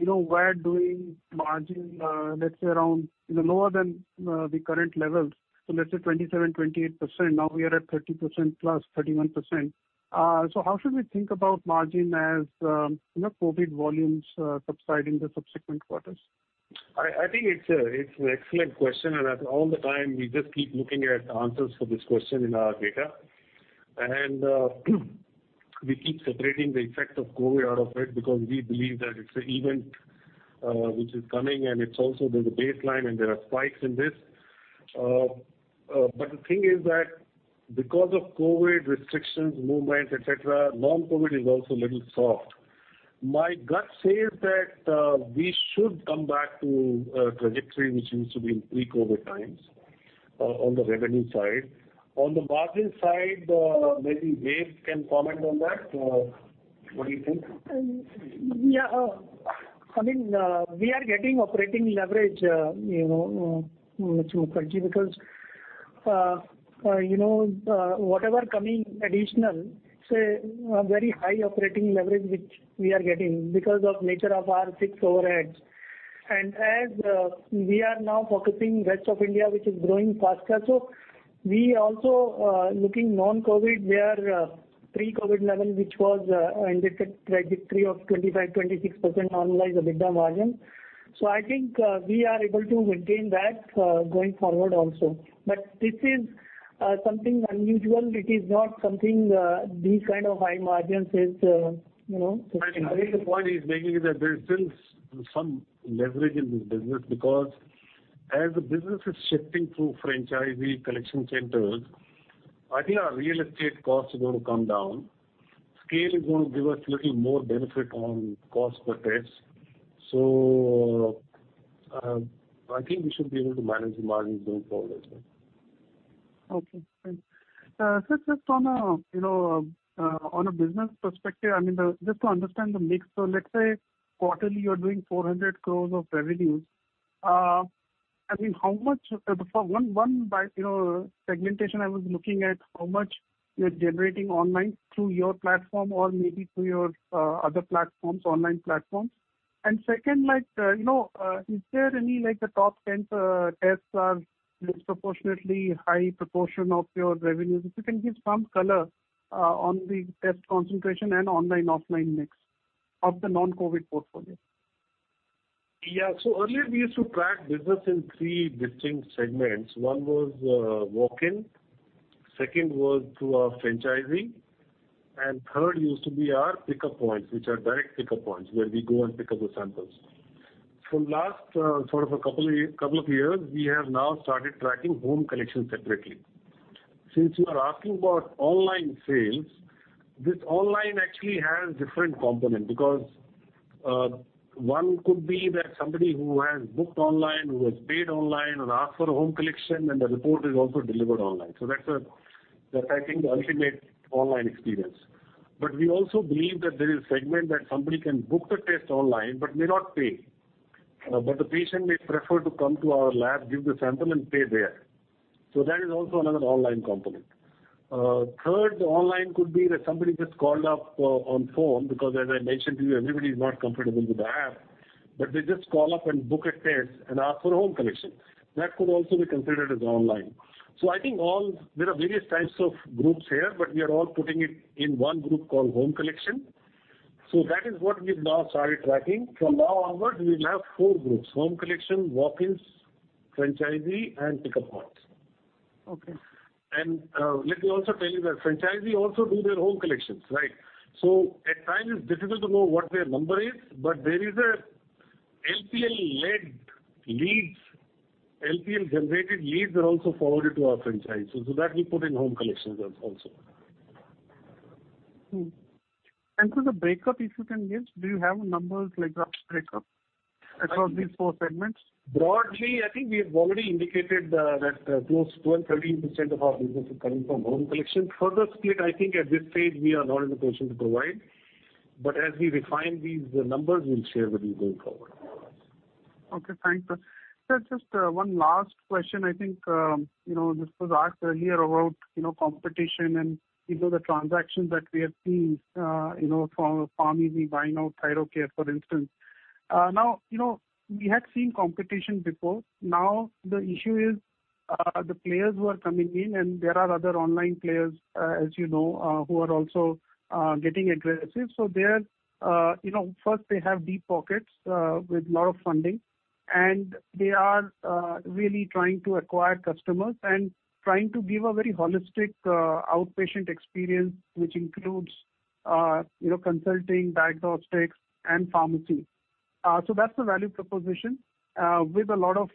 We were doing margin, let's say, around lower than the current levels, let's say 27%-28%. We are at 30%+, 31%. How should we think about margin as COVID volumes subside in the subsequent quarters? I think it's an excellent question. All the time, we just keep looking at answers for this question in our data. We keep separating the effect of COVID out of it because we believe that it's an event which is coming, and there's a baseline, and there are spikes in this. The thing is that because of COVID restrictions, movements, et cetera, non-COVID is also little soft. My gut says that we should come back to trajectory which used to be in pre-COVID times on the revenue side. On the margin side, maybe Ved Prakash Goel can comment on that. What do you think? Yeah. We are getting operating leverage, Mukherjee, because whatever coming additional, say, very high operating leverage which we are getting because of nature of our fixed overheads. As we are now focusing rest of India, which is growing faster, we also looking non-COVID, their pre-COVID level, which was indicated trajectory of 25%, 26% normalized EBITDA margin. I think we are able to maintain that going forward also. This is something unusual. These kind of high margins. I think the point he's making is that there's still some leverage in this business because as the business is shifting through franchisee collection centers, I think our real estate costs are going to come down. Scale is going to give us little more benefit on cost per test. I think we should be able to manage the margins going forward as well. Okay, thanks. Sir, just on a business perspective, just to understand the mix, let's say quarterly, you're doing 400 crores of revenues. One segmentation I was looking at, how much you're generating online through your platform or maybe through your other online platforms. Second, is there any top 10 tests are disproportionately high proportion of your revenues? If you can give some color on the test concentration and online, offline mix of the non-COVID portfolio. Yeah. Earlier we used to track business in three distinct segments. One was walk-in, Second was through our franchising, and third used to be our pickup points, which are direct pickup points where we go and pick up the samples. For last couple of years, we have now started tracking home collection separately. Since you are asking about online sales, this online actually has different component because one could be that somebody who has booked online, who has paid online and asked for a home collection, and the report is also delivered online. That's, I think, the ultimate online experience. We also believe that there is segment that somebody can book the test online but may not pay. The patient may prefer to come to our lab, give the sample, and pay there. That is also another online component. Third online could be that somebody just called up on phone because as I mentioned to you, everybody is not comfortable with the app. They just call up and book a test and ask for home collection. That could also be considered as online. I think there are various types of groups here, but we are all putting it in one group called home collection. That is what we've now started tracking. From now onwards, we will have four groups, home collection, walk-ins, franchisee, and pickup points. Okay. Let me also tell you that franchisee also do their home collections. At times it's difficult to know what their number is, but there is a LPL-led leads, LPL-generated leads are also forwarded to our franchises, so that we put in home collections also. The breakup, if you can give, do you have numbers like that breakup across these four segments? Broadly, I think we have already indicated that close to 12%, 13% of our business is coming from home collection. Further split, I think at this stage we are not in a position to provide. As we refine these numbers, we'll share with you going forward. Okay. Thanks. Sir, just one last question. I think this was asked earlier about competition and the transactions that we have seen from PharmEasy buying out Thyrocare, for instance. Now, we had seen competition before. Now the issue is the players who are coming in, and there are other online players as you know who are also getting aggressive. First they have deep pockets with lot of funding, and they are really trying to acquire customers and trying to give a very holistic outpatient experience, which includes consulting, diagnostics, and pharmacy. That's the value proposition with a lot of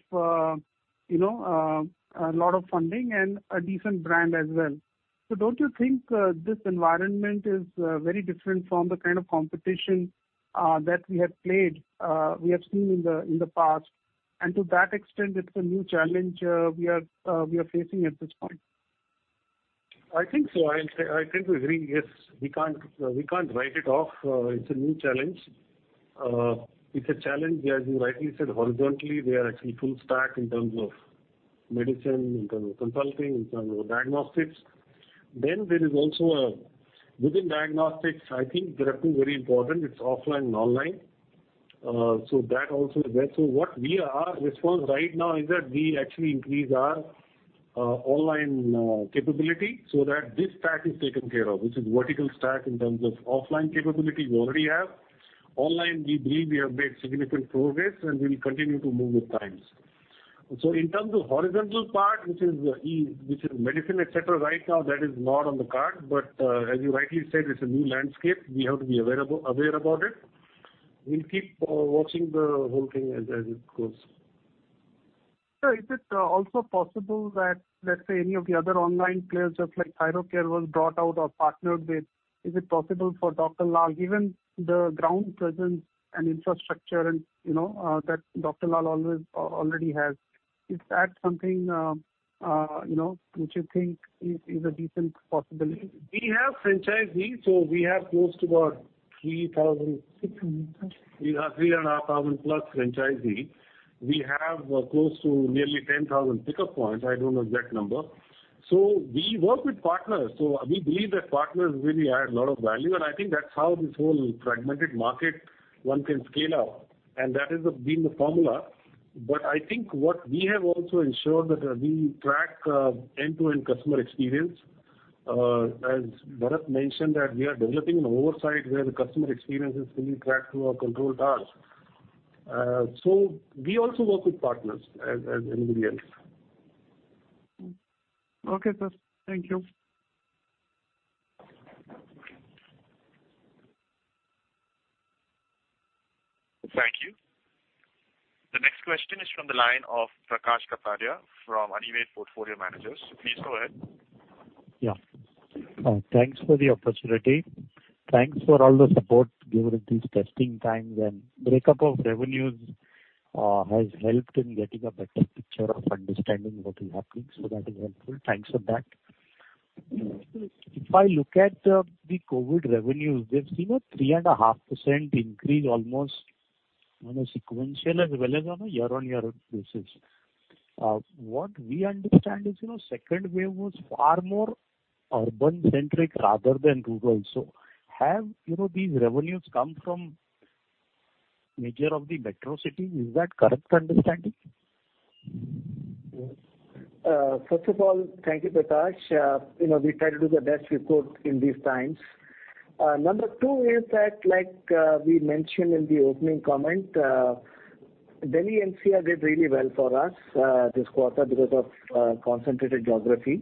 funding and a decent brand as well. Don't you think this environment is very different from the kind of competition that we have seen in the past, and to that extent it's a new challenge we are facing at this point? I think so. I think we agree. Yes. We can't write it off. It's a new challenge. It's a challenge, as you rightly said, horizontally, they are actually full stack in terms of medicine, in terms of consulting, in terms of diagnostics. Within diagnostics, I think there are two very important, it's offline and online. That also is there. Our response right now is that we actually increase our online capability so that this stack is taken care of, which is vertical stack in terms of offline capability we already have. Online, we believe we have made significant progress, and we will continue to move with times. In terms of horizontal part, which is medicine, et cetera, right now, that is not on the card. As you rightly said, it's a new landscape. We have to be aware about it. We'll keep watching the whole thing as it goes. Sir, is it also possible that, let's say any of the other online players, just like Thyrocare was bought out or partnered with, is it possible for Dr. Lal, given the ground presence and infrastructure that Dr. Lal already has, is that something which you think is a decent possibility? We have franchisees. We have 3,500+ franchisees. We have close to nearly 10,000 pickup points. I don't know the exact number. We work with partners. We believe that partners really add a lot of value, and I think that's how this whole fragmented market, one can scale up, and that has been the formula. I think what we have also ensured that we track end-to-end customer experience. As Bharath mentioned, that we are developing an oversight where the customer experience is fully tracked through our control towers. We also work with partners as anybody else. Okay, sir. Thank you. Thank you. The next question is from the line of Prakash Kapadia from Anived Portfolio Managers. Please go ahead. Yeah. Thanks for the opportunity. Thanks for all the support during these testing times. Breakup of revenues has helped in getting a better picture of understanding what is happening. That is helpful. Thanks for that. If I look at the COVID revenues, we have seen a 3.5% increase almost on a sequential as well as on a year-on-year basis. What we understand is second wave was far more urban-centric rather than rural. Have these revenues come from major of the metro cities? Is that correct understanding? First of all, thank you, Prakash. We try to do the best we could in these times. Number two is that, like we mentioned in the opening comment, Delhi NCR did really well for us this quarter because of concentrated geography.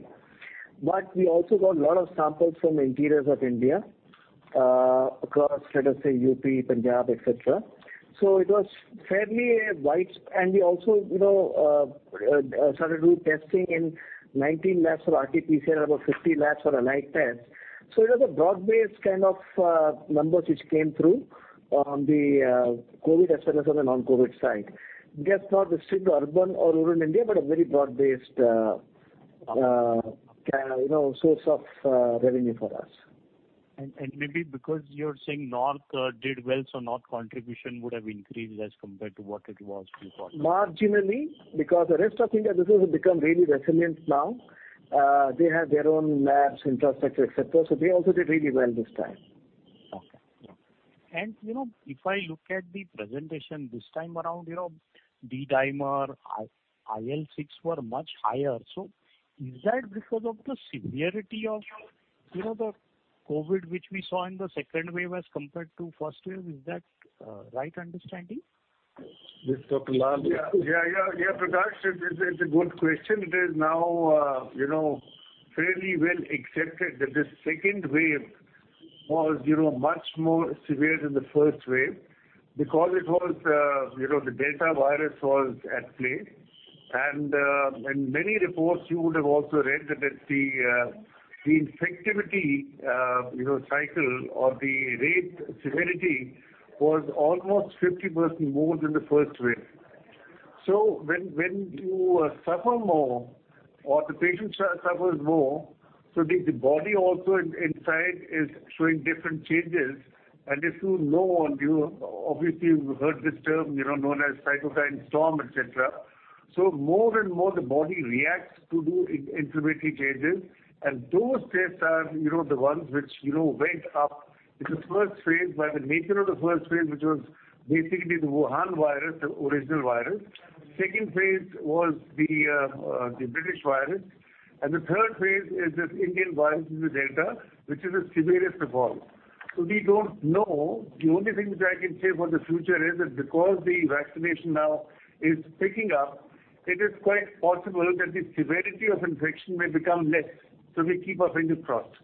We also got lot of samples from interiors of India, across let us say UP, Punjab, et cetera. It was fairly. We also started root testing in 19 labs for RT-PCR, about 50 labs for a allied test. It was a broad-based kind of numbers which came through on the COVID as well as on the non-COVID side. That's not the strict urban or rural India, but a very broad-based source of revenue for us. Maybe because you're saying North did well, so North contribution would have increased as compared to what it was before. Marginally, because the rest of India business has become really resilient now. They have their own labs, infrastructure, et cetera. They also did really well this time. Okay. If I look at the presentation this time around, D-dimer, IL-6 were much higher. Is that because of the severity of the COVID which we saw in the second wave as compared to first wave? Is that right understanding? This Dr. Lal will answer. Yeah, Prakash, it's a good question. It is now fairly well accepted that this second wave was much more severe than the first wave because the Delta virus was at play. In many reports, you would have also read that the infectivity cycle or the rate severity was almost 50% more than the first wave. When you suffer more or the patient suffers more, so the body also inside is showing different changes. If you know, and you obviously heard this term, known as cytokine storm, et cetera. More and more the body reacts to the inflammatory changes, and those tests are the ones which went up in the first phase. By the nature of the first phase, which was basically the Wuhan virus, the original virus. Second phase was the British virus, and the third phase is this Indian virus, which is Delta, which is the severest of all. We don't know. The only thing which I can say for the future is that because the vaccination now is picking up, it is quite possible that the severity of infection may become less. We keep our fingers crossed.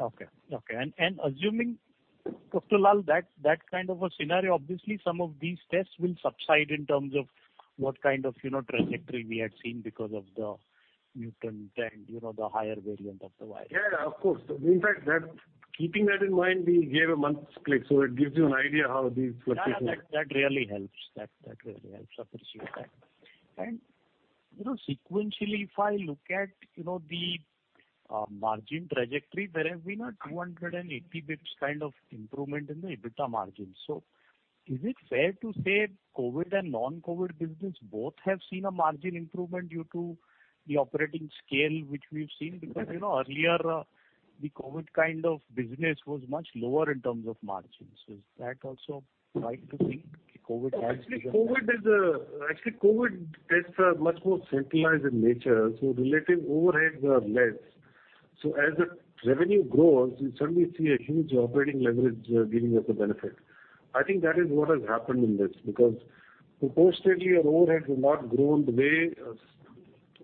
Okay. Assuming, Dr. Lal, that kind of a scenario, obviously some of these tests will subside in terms of what kind of trajectory we had seen because of the mutant and the higher variant of the virus. Yeah, of course. In fact, keeping that in mind, we gave a month's split, so it gives you an idea.... Yeah. That really helps. Appreciate that. Sequentially, if I look at the margin trajectory, there has been a 280 basis points kind of improvement in the EBITDA margin. Is it fair to say COVID and non-COVID business both have seen a margin improvement due to the operating scale which we've seen? Earlier, the COVID kind of business was much lower in terms of margins. Is that also right to think that COVID? Actually, COVID tests are much more centralized in nature, so relative overheads are less. As the revenue grows, you suddenly see a huge operating leverage giving us a benefit. I think that is what has happened in this, because proportionately our overheads have not grown the way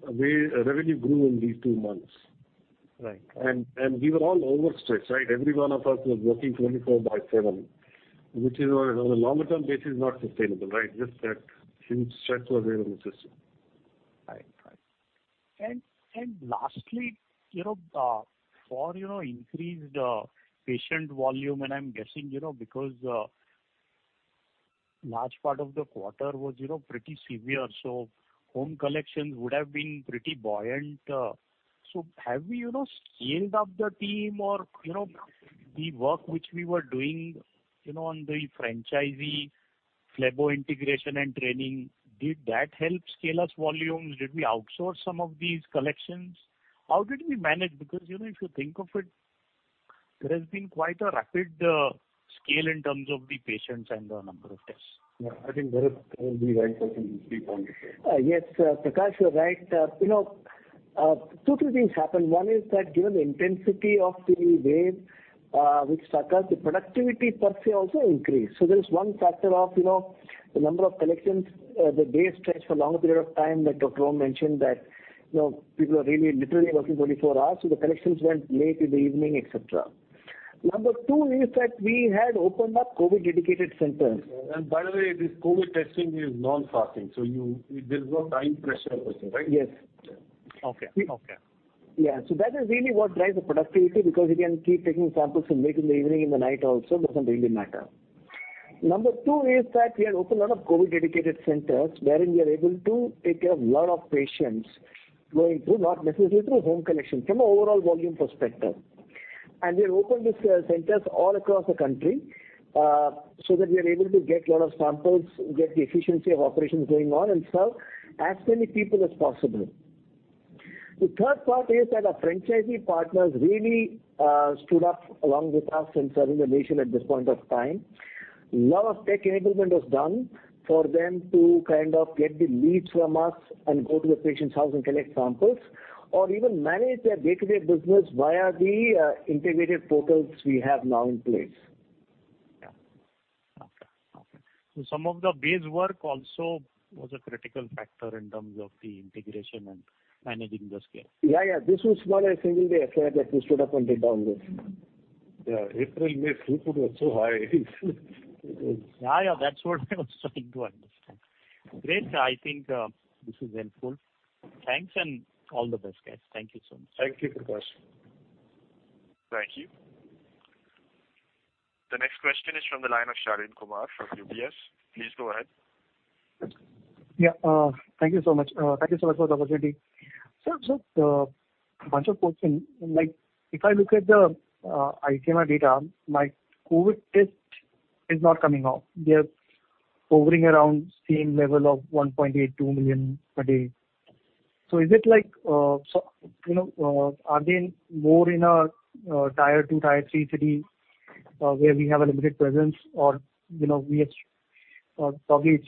revenue grew in these two months. Right. We were all overstretched. Every one of us was working 24/7, which on a longer term basis is not sustainable, right? Just that huge stretch was there in the system. Right. Lastly, for increased patient volume, I'm guessing because large part of the quarter was pretty severe, home collections would have been pretty buoyant. Have we scaled up the team or the work which we were doing on the franchisee phlebo integration and training, did that help scale us volumes? Did we outsource some of these collections? How did we manage? If you think of it, there has been quite a rapid scale in terms of the patients and the number of tests. Yeah, I think Bharath will be right to speak on this. Yes, Prakash, you're right. Two, three things happened. One is that given the intensity of the wave which struck us, the productivity per se also increased. There is one factor of the number of collections. The day stretched for longer period of time that Dr. Lal mentioned that people are really literally working 24 hours. The collections went late in the evening, et cetera. Number two is that we had opened up COVID dedicated centers. By the way, this COVID testing is non-stopping. There's no time pressure per se, right? Yes. Okay. Yeah. That is really what drives the productivity because you can keep taking samples till late in the evening, in the night also, it doesn't really matter. Number two is that we had opened a lot of COVID dedicated centers wherein we are able to take care of lot of patients going through, not necessarily through home collection, from an overall volume perspective. We have opened these centers all across the country, so that we are able to get lot of samples, get the efficiency of operations going on and serve as many people as possible. The third part is that our franchisee partners really stood up along with us in serving the nation at this point of time. Lot of tech enablement was done for them to kind of get the leads from us and go to the patient's house and collect samples or even manage their day-to-day business via the integrated portals we have now in place. Yeah. Okay. Some of the base work also was a critical factor in terms of the integration and managing the scale. Yeah. This was not a single day affair that we stood up and did all this. Yeah, April-May throughput was so high. Yeah. That's what I was trying to understand. Great. I think this is helpful. Thanks and all the best, guys. Thank you so much. Thank you, Prakash. Thank you. The next question is from the line of Shaleen Kumar from UBS. Please go ahead. Yeah. Thank you so much. Thank you so much for the opportunity. Sir, a bunch of question. If I look at the ICMR data, my COVID test is not coming out. They are hovering around same level of 1.82 million per day. Are they more in a Tier two, Tier three city, where we have a limited presence or probably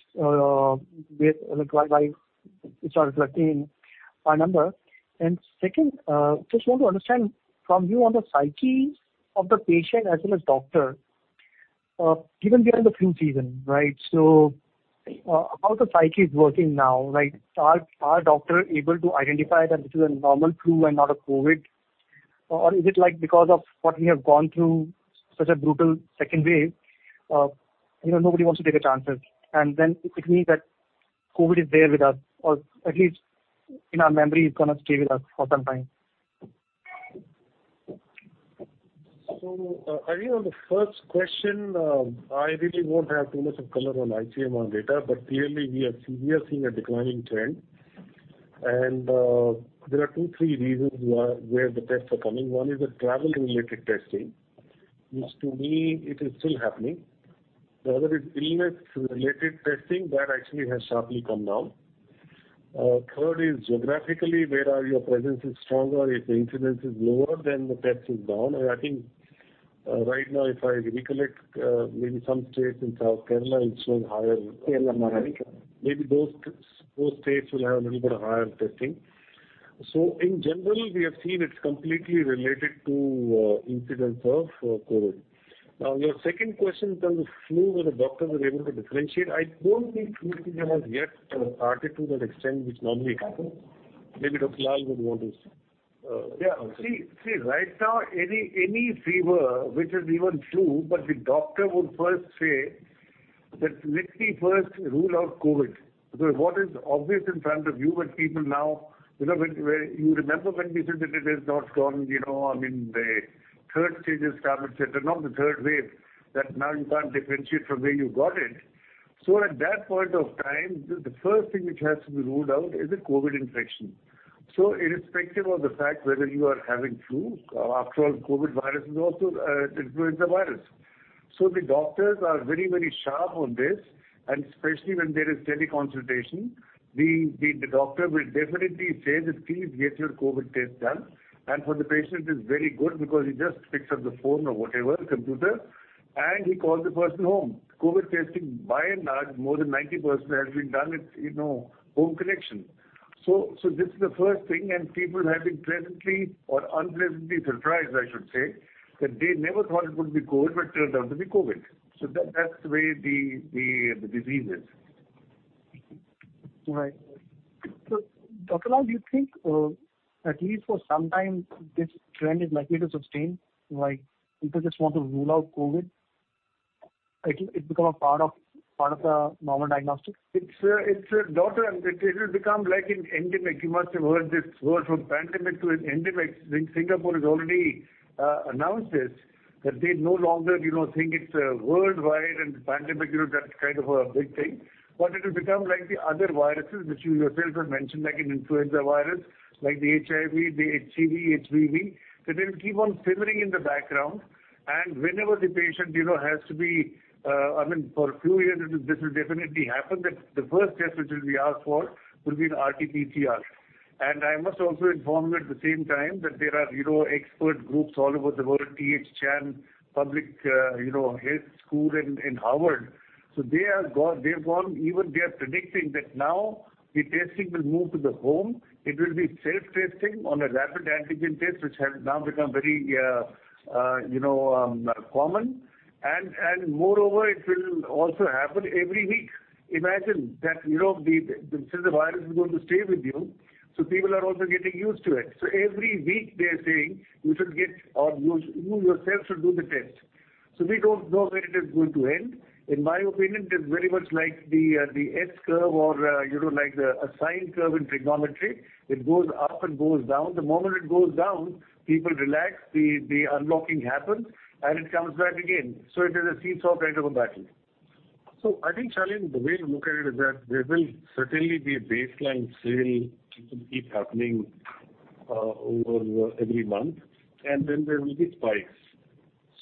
it's our number? Second, just want to understand from you on the psyche of the patient as well as doctor, given we are in the flu season, right? How the psyche is working now, are doctor able to identify that this is a normal flu and not a COVID? Is it because of what we have gone through such a brutal second wave, nobody wants to take a chance? It means that COVID is there with us, or at least in our memory, it's going to stay with us for some time. I think on the first question, I really won't have too much of color on ICMR data, but clearly we are seeing a declining trend. There are two, three reasons where the tests are coming. One is the travel-related testing, which to me it is still happening. The other is illness-related testing. That actually has sharply come down. Third is geographically, where your presence is stronger, if the incidence is lower, then the test is down. I think right now, if I recollect, maybe some states in South Kerala is showing higher in Kerala, Maharashtra maybe those four states will have a little bit of higher testing. In general, we have seen it's completely related to incidence of COVID. Your second question in terms of flu, where the doctors were able to differentiate, I don't think flu season has yet started to that extent, which normally happens. Maybe Dr. Lal would want to say. Yeah. See, right now, any fever, which is even flu, but the doctor would first say that let me first rule out COVID. What is obvious in front of you and even now, you remember when we said that it has not gone, I mean, the three stages come, et cetera. Now the third wave, that now you can't differentiate from where you got it. At that point of time, the first thing which has to be ruled out is a COVID infection. Irrespective of the fact whether you are having flu, after all, COVID virus is also an influenza virus. The doctors are very sharp on this, and especially when there is teleconsultation, the doctor will definitely say that, "Please get your COVID test done." For the patient, it's very good because he just picks up the phone or whatever, computer, and he calls the person home. COVID testing, by and large, more than 90% has been done at home collection. This is the first thing, and people have been pleasantly or unpleasantly surprised, I should say, that they never thought it would be COVID, but turned out to be COVID. That's the way the disease is. Right. Dr. Lal, do you think, at least for some time, this trend is likely to sustain, people just want to rule out COVID, it become a part of the normal diagnostic? It will become like an endemic. You must have heard this word from pandemic to endemic. Singapore has already announced this, that they no longer think it's worldwide and pandemic, that kind of a big thing. It will become like the other viruses, which you yourself have mentioned, like an influenza virus, like the HIV, the HCV, HPV. They'll keep on simmering in the background, and whenever the patient has to be I mean, for a few years, this will definitely happen, that the first test which will be asked for will be an RT-PCR. I must also inform you at the same time that there are expert groups all over the world, Harvard T.H. Chan School of Public Health. They've gone, even they are predicting that now the testing will move to the home. It will be self-testing on a rapid antigen test, which has now become very common. Moreover, it will also happen every week. Imagine that since the virus is going to stay with you, people are also getting used to it. Every week, they are saying you should get or you yourself should do the test. We don't know when it is going to end. In my opinion, it is very much like the S curve or like a sine curve in trigonometry. It goes up and goes down. The moment it goes down, people relax, the unlocking happens, and it comes back again. It is a seesaw kind of a battle. I think Shaleen, the way to look at it is that there will certainly be a baseline still keep happening over every month. There will be spikes.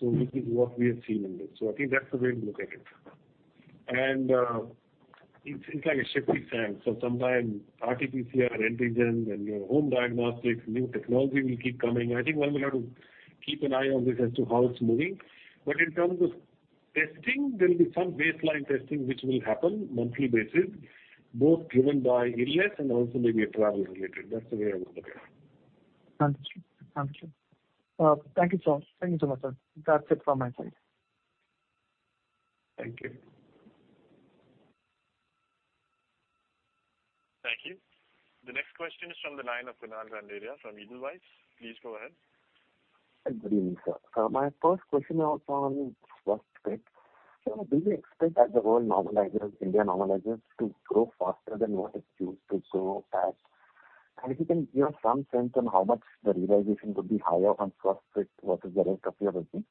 What we have seen in this. That's the way to look at it. It's like a shifting sand. Sometimes RT-PCR, antigen, and your home diagnostics, new technology will keep coming. One will have to keep an eye on this as to how it's moving. In terms of testing, there will be some baseline testing which will happen monthly basis, both driven by illness and also maybe travel related. That's the way I would look at it. Understood. Thank you. Thank you so much, sir. That is it from my side. Thank you. The next question is from the line of Kunal Randeria from Edelweiss. Please go ahead. Good evening, sir. My first question was on Swasthfit. Sir, do you expect as the world normalizes, India normalizes to grow faster than what it used to grow at? If you can give some sense on how much the realization would be higher on Swasthfit, what is the rate of your business?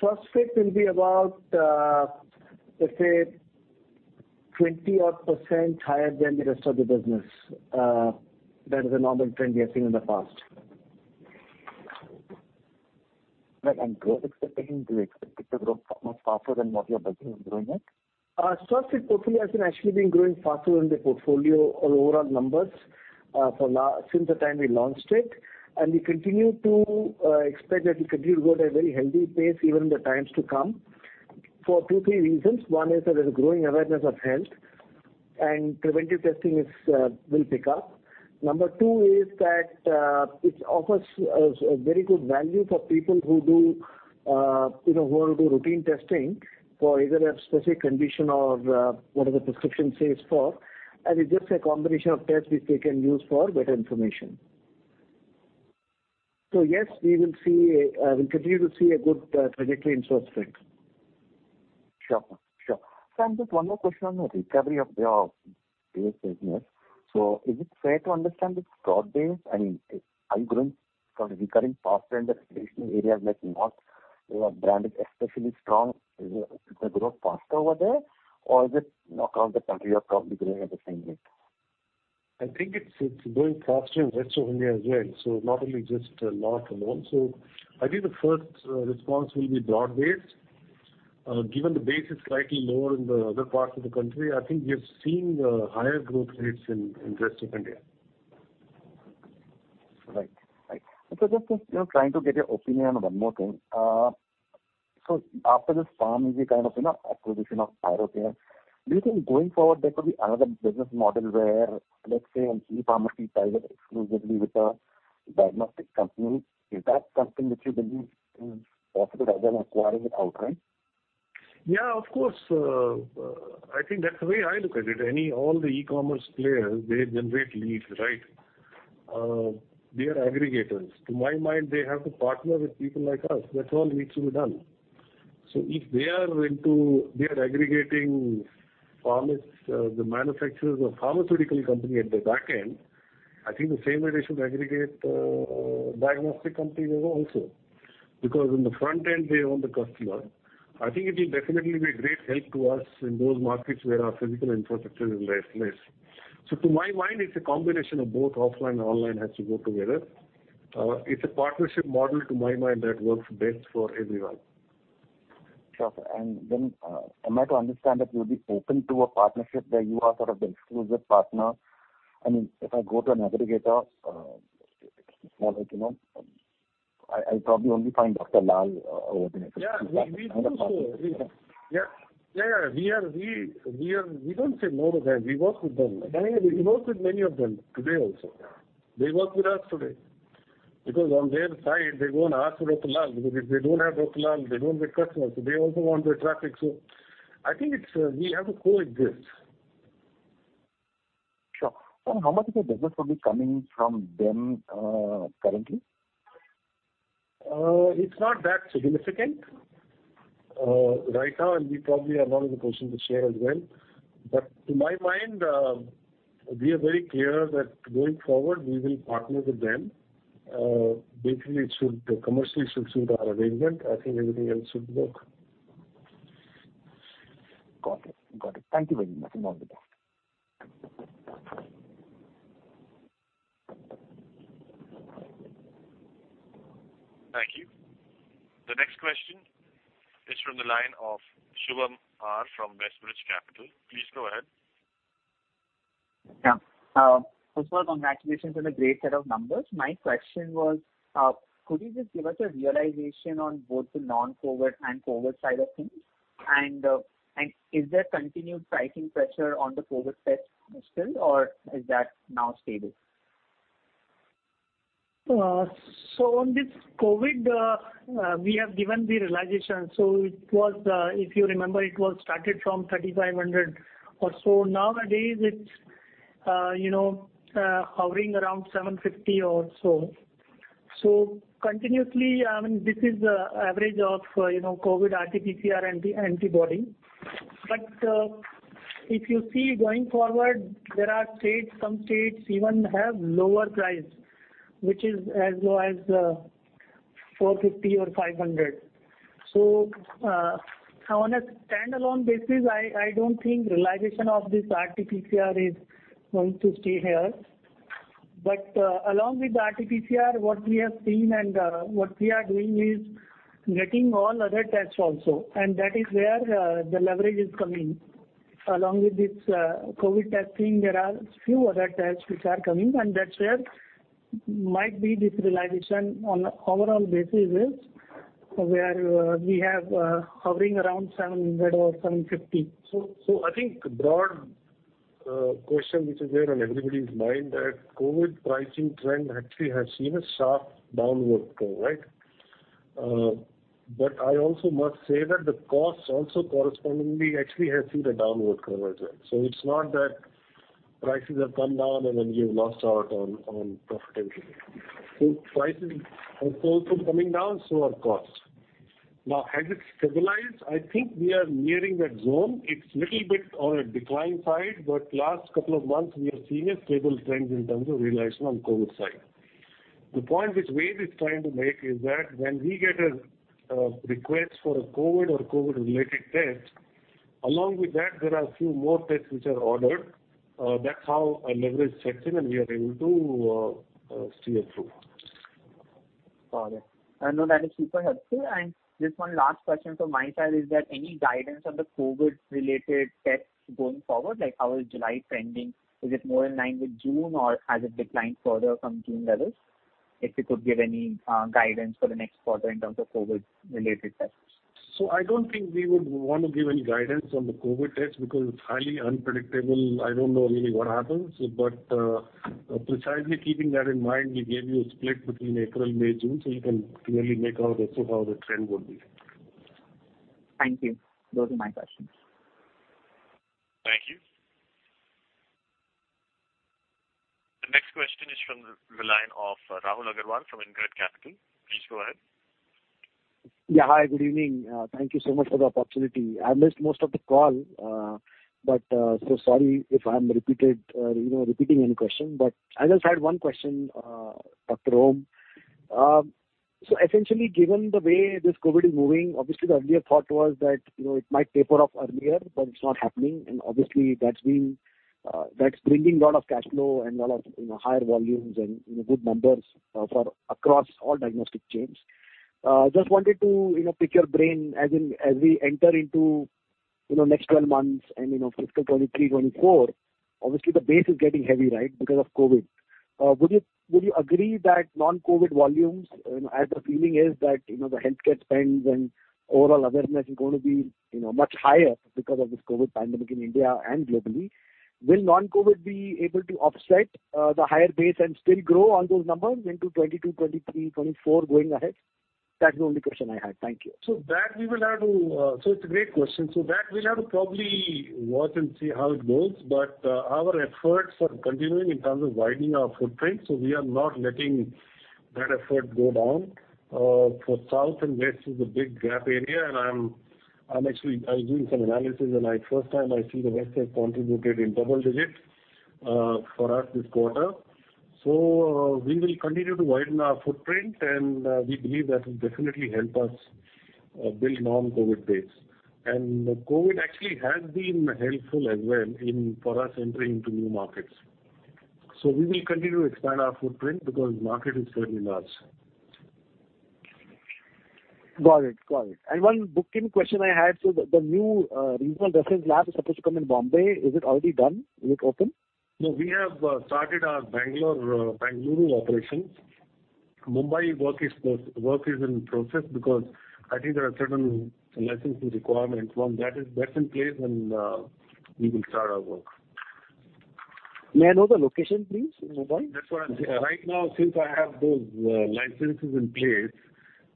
Swasthfit will be about, let's say, 20 odd% higher than the rest of the business. That is a normal trend we have seen in the past. Right. Growth expecting, do you expect it to grow much faster than what your business is growing at? Swasthfit portfolio has actually been growing faster than the portfolio or overall numbers since the time we launched it. We continue to expect that it will grow at a very healthy pace even in the times to come, for two, three reasons. One is that there's a growing awareness of health, and preventive testing will pick up. Number two is that it offers a very good value for people who do routine testing for either a specific condition or whatever prescription says for. It's just a combination of tests which they can use for better information. Yes, we will continue to see a good trajectory in source mix. Sure. Sir, just one more question on the recovery of your base business. Is it fair to understand it's broad-based? I mean, are you growing sort of recurring faster in the traditional areas like North, where your brand is especially strong, is the growth faster over there? Is it around the country you're probably growing at the same rate? I think it's growing faster in the rest of India as well, so not only just north alone. I think the first response will be broad-based. Given the base is slightly lower in the other parts of the country, I think we have seen higher growth rates in rest of India. Right. Sir, just trying to get your opinion on one more thing. After this PharmEasy kind of acquisition of PharmEasy, do you think going forward there could be another business model where, let's say, a few pharmacies partner exclusively with a diagnostics company? Is that something which you believe is possible rather than acquiring it outright? Yeah, of course. I think that's the way I look at it. All the eCommerce players, they generate leads, right? They are aggregators. To my mind, they have to partner with people like us. That's all needs to be done. If they are aggregating pharmacists, the manufacturers, or pharmaceutical company at the back end, I think the same way they should aggregate diagnostic companies also. Because in the front end, they own the customer. I think it will definitely be a great help to us in those markets where our physical infrastructure is less. To my mind, it's a combination of both offline and online has to go together. It's a partnership model, to my mind, that works best for everyone. Sure. Am I to understand that you'll be open to a partnership where you are sort of the exclusive partner? I mean, if I go to an aggregator, small like, you know, I'll probably only find Dr. Lal over there.... Yeah, we do so. We don't say no to them. We work with them. We work with many of them today also. They work with us today. Because on their side, they go and ask for Dr. Lal, because if they don't have Dr. Lal, they don't get customers. They also want the traffic. I think we have to co-exist. Sure. Sir, how much of your business will be coming from them currently? It's not that significant right now. We probably are not in a position to share as well. To my mind, we are very clear that going forward, we will partner with them. Basically, commercially it should suit our arrangement. I think everything else should work. Got it. Thank you very much. All the best. Thank you. The next question is from the line of Subham R from WestBridge Capital. Please go ahead. Yeah. First of all, congratulations on a great set of numbers. My question was, could you just give us a realization on both the non-COVID and COVID side of things? Is there continued pricing pressure on the COVID test still, or is that now stable? On this COVID, we have given the realization. If you remember, it was started from 3,500 or so. Nowadays, it's hovering around 750 or so. Continuously, I mean, this is the average of COVID RTPCR antibody. If you see going forward, there are some states even have lower price, which is as low as 450 or 500. On a standalone basis, I don't think realization of this RTPCR is going to stay here. Along with the RTPCR, what we have seen and what we are doing is getting all other tests also, and that is where the leverage is coming. Along with this COVID testing, there are few other tests which are coming, and that's where might be this realization on overall basis is where we have hovering around 700 or 750. I think broad question which is there on everybody's mind that COVID pricing trend actually has seen a sharp downward curve, right? I also must say that the costs also correspondingly actually has seen the downward curve as well. It's not that prices have come down and then you've lost out on profitability. Prices are also coming down, so are costs. Has it stabilized? I think we are nearing that zone. It's little bit on a decline side, but last couple of months, we are seeing a stable trend in terms of realization on COVID side. The point which Ved is trying to make is that when we get a request for a COVID or COVID-related test, along with that, there are a few more tests which are ordered. That's how our leverage sets in and we are able to steer through. Got it. No, that is super helpful. Just one last question from my side is that any guidance on the COVID-related tests going forward? Like how is July trending? Is it more in line with June or has it declined further from June levels? If you could give any guidance for the next quarter in terms of COVID-related tests. I don't think we would want to give any guidance on the COVID test because it's highly unpredictable. I don't know really what happens. Precisely keeping that in mind, we gave you a split between April, May, June, so you can clearly make out as to how the trend would be. Thank you. Those are my questions. Thank you. The next question is from the line of Rahul Agarwal from InCred Capital. Please go ahead. Hi, good evening. Thank you so much for the opportunity. I missed most of the call, sorry if I'm repeating any question. I just had one question, Dr. Om. Essentially, given the way this COVID is moving, obviously the earlier thought was that it might taper off earlier, but it's not happening. Obviously, that's bringing a lot of cash flow and a lot of higher volumes and good numbers across all diagnostic chains. Just wanted to pick your brain as we enter into next 12 months and fiscal 2023, 2024, obviously the base is getting heavy, right? Because of COVID. Would you agree that non-COVID volumes, as the feeling is that the healthcare spends and overall awareness is going to be much higher because of this COVID pandemic in India and globally? Will non-COVID be able to offset the higher base and still grow on those numbers into 2022, 2023, 2024 going ahead? That is the only question I had. Thank you. It's a great question. That we'll have to probably watch and see how it goes, but our efforts are continuing in terms of widening our footprint, so we are not letting that effort go down. For South and West is a big gap area, and I'm doing some analysis, and first time I see the West has contributed in double digits for us this quarter. We will continue to widen our footprint, and we believe that will definitely help us build non-COVID base. COVID actually has been helpful as well for us entering into new markets. We will continue to expand our footprint because market is very large. Got it. One booking question I had. The new regional reference lab is supposed to come in Bombay. Is it already done? Is it open? No, we have started our Bengaluru operations. Mumbai work is in process because I think there are certain licensing requirements. Once that is in place, then we will start our work. May I know the location, please, in Mumbai? Right now, since I have those licenses in place,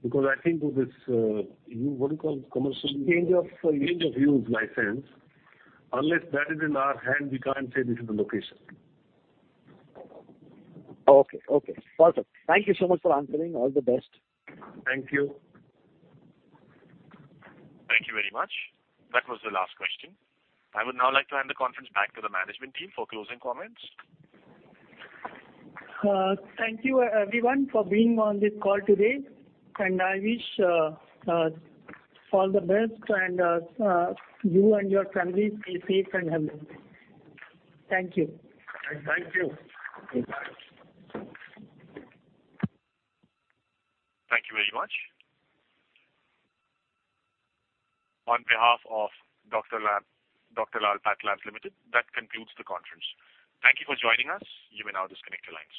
because I think with this, what do you call it, commercial..... Change of use. Change of use license. Unless that is in our hand, we can't say this is the location. Okay. Perfect. Thank you so much for answering. All the best. Thank you. Thank you very much. That was the last question. I would now like to hand the conference back to the management team for closing comments. Thank you everyone for being on this call today, and I wish all the best, and you and your family be safe and healthy. Thank you. Thank you. Goodbye. Thank you very much. On behalf of Dr. Lal PathLabs Limited, that concludes the conference. Thank you for joining us. You may now disconnect your lines.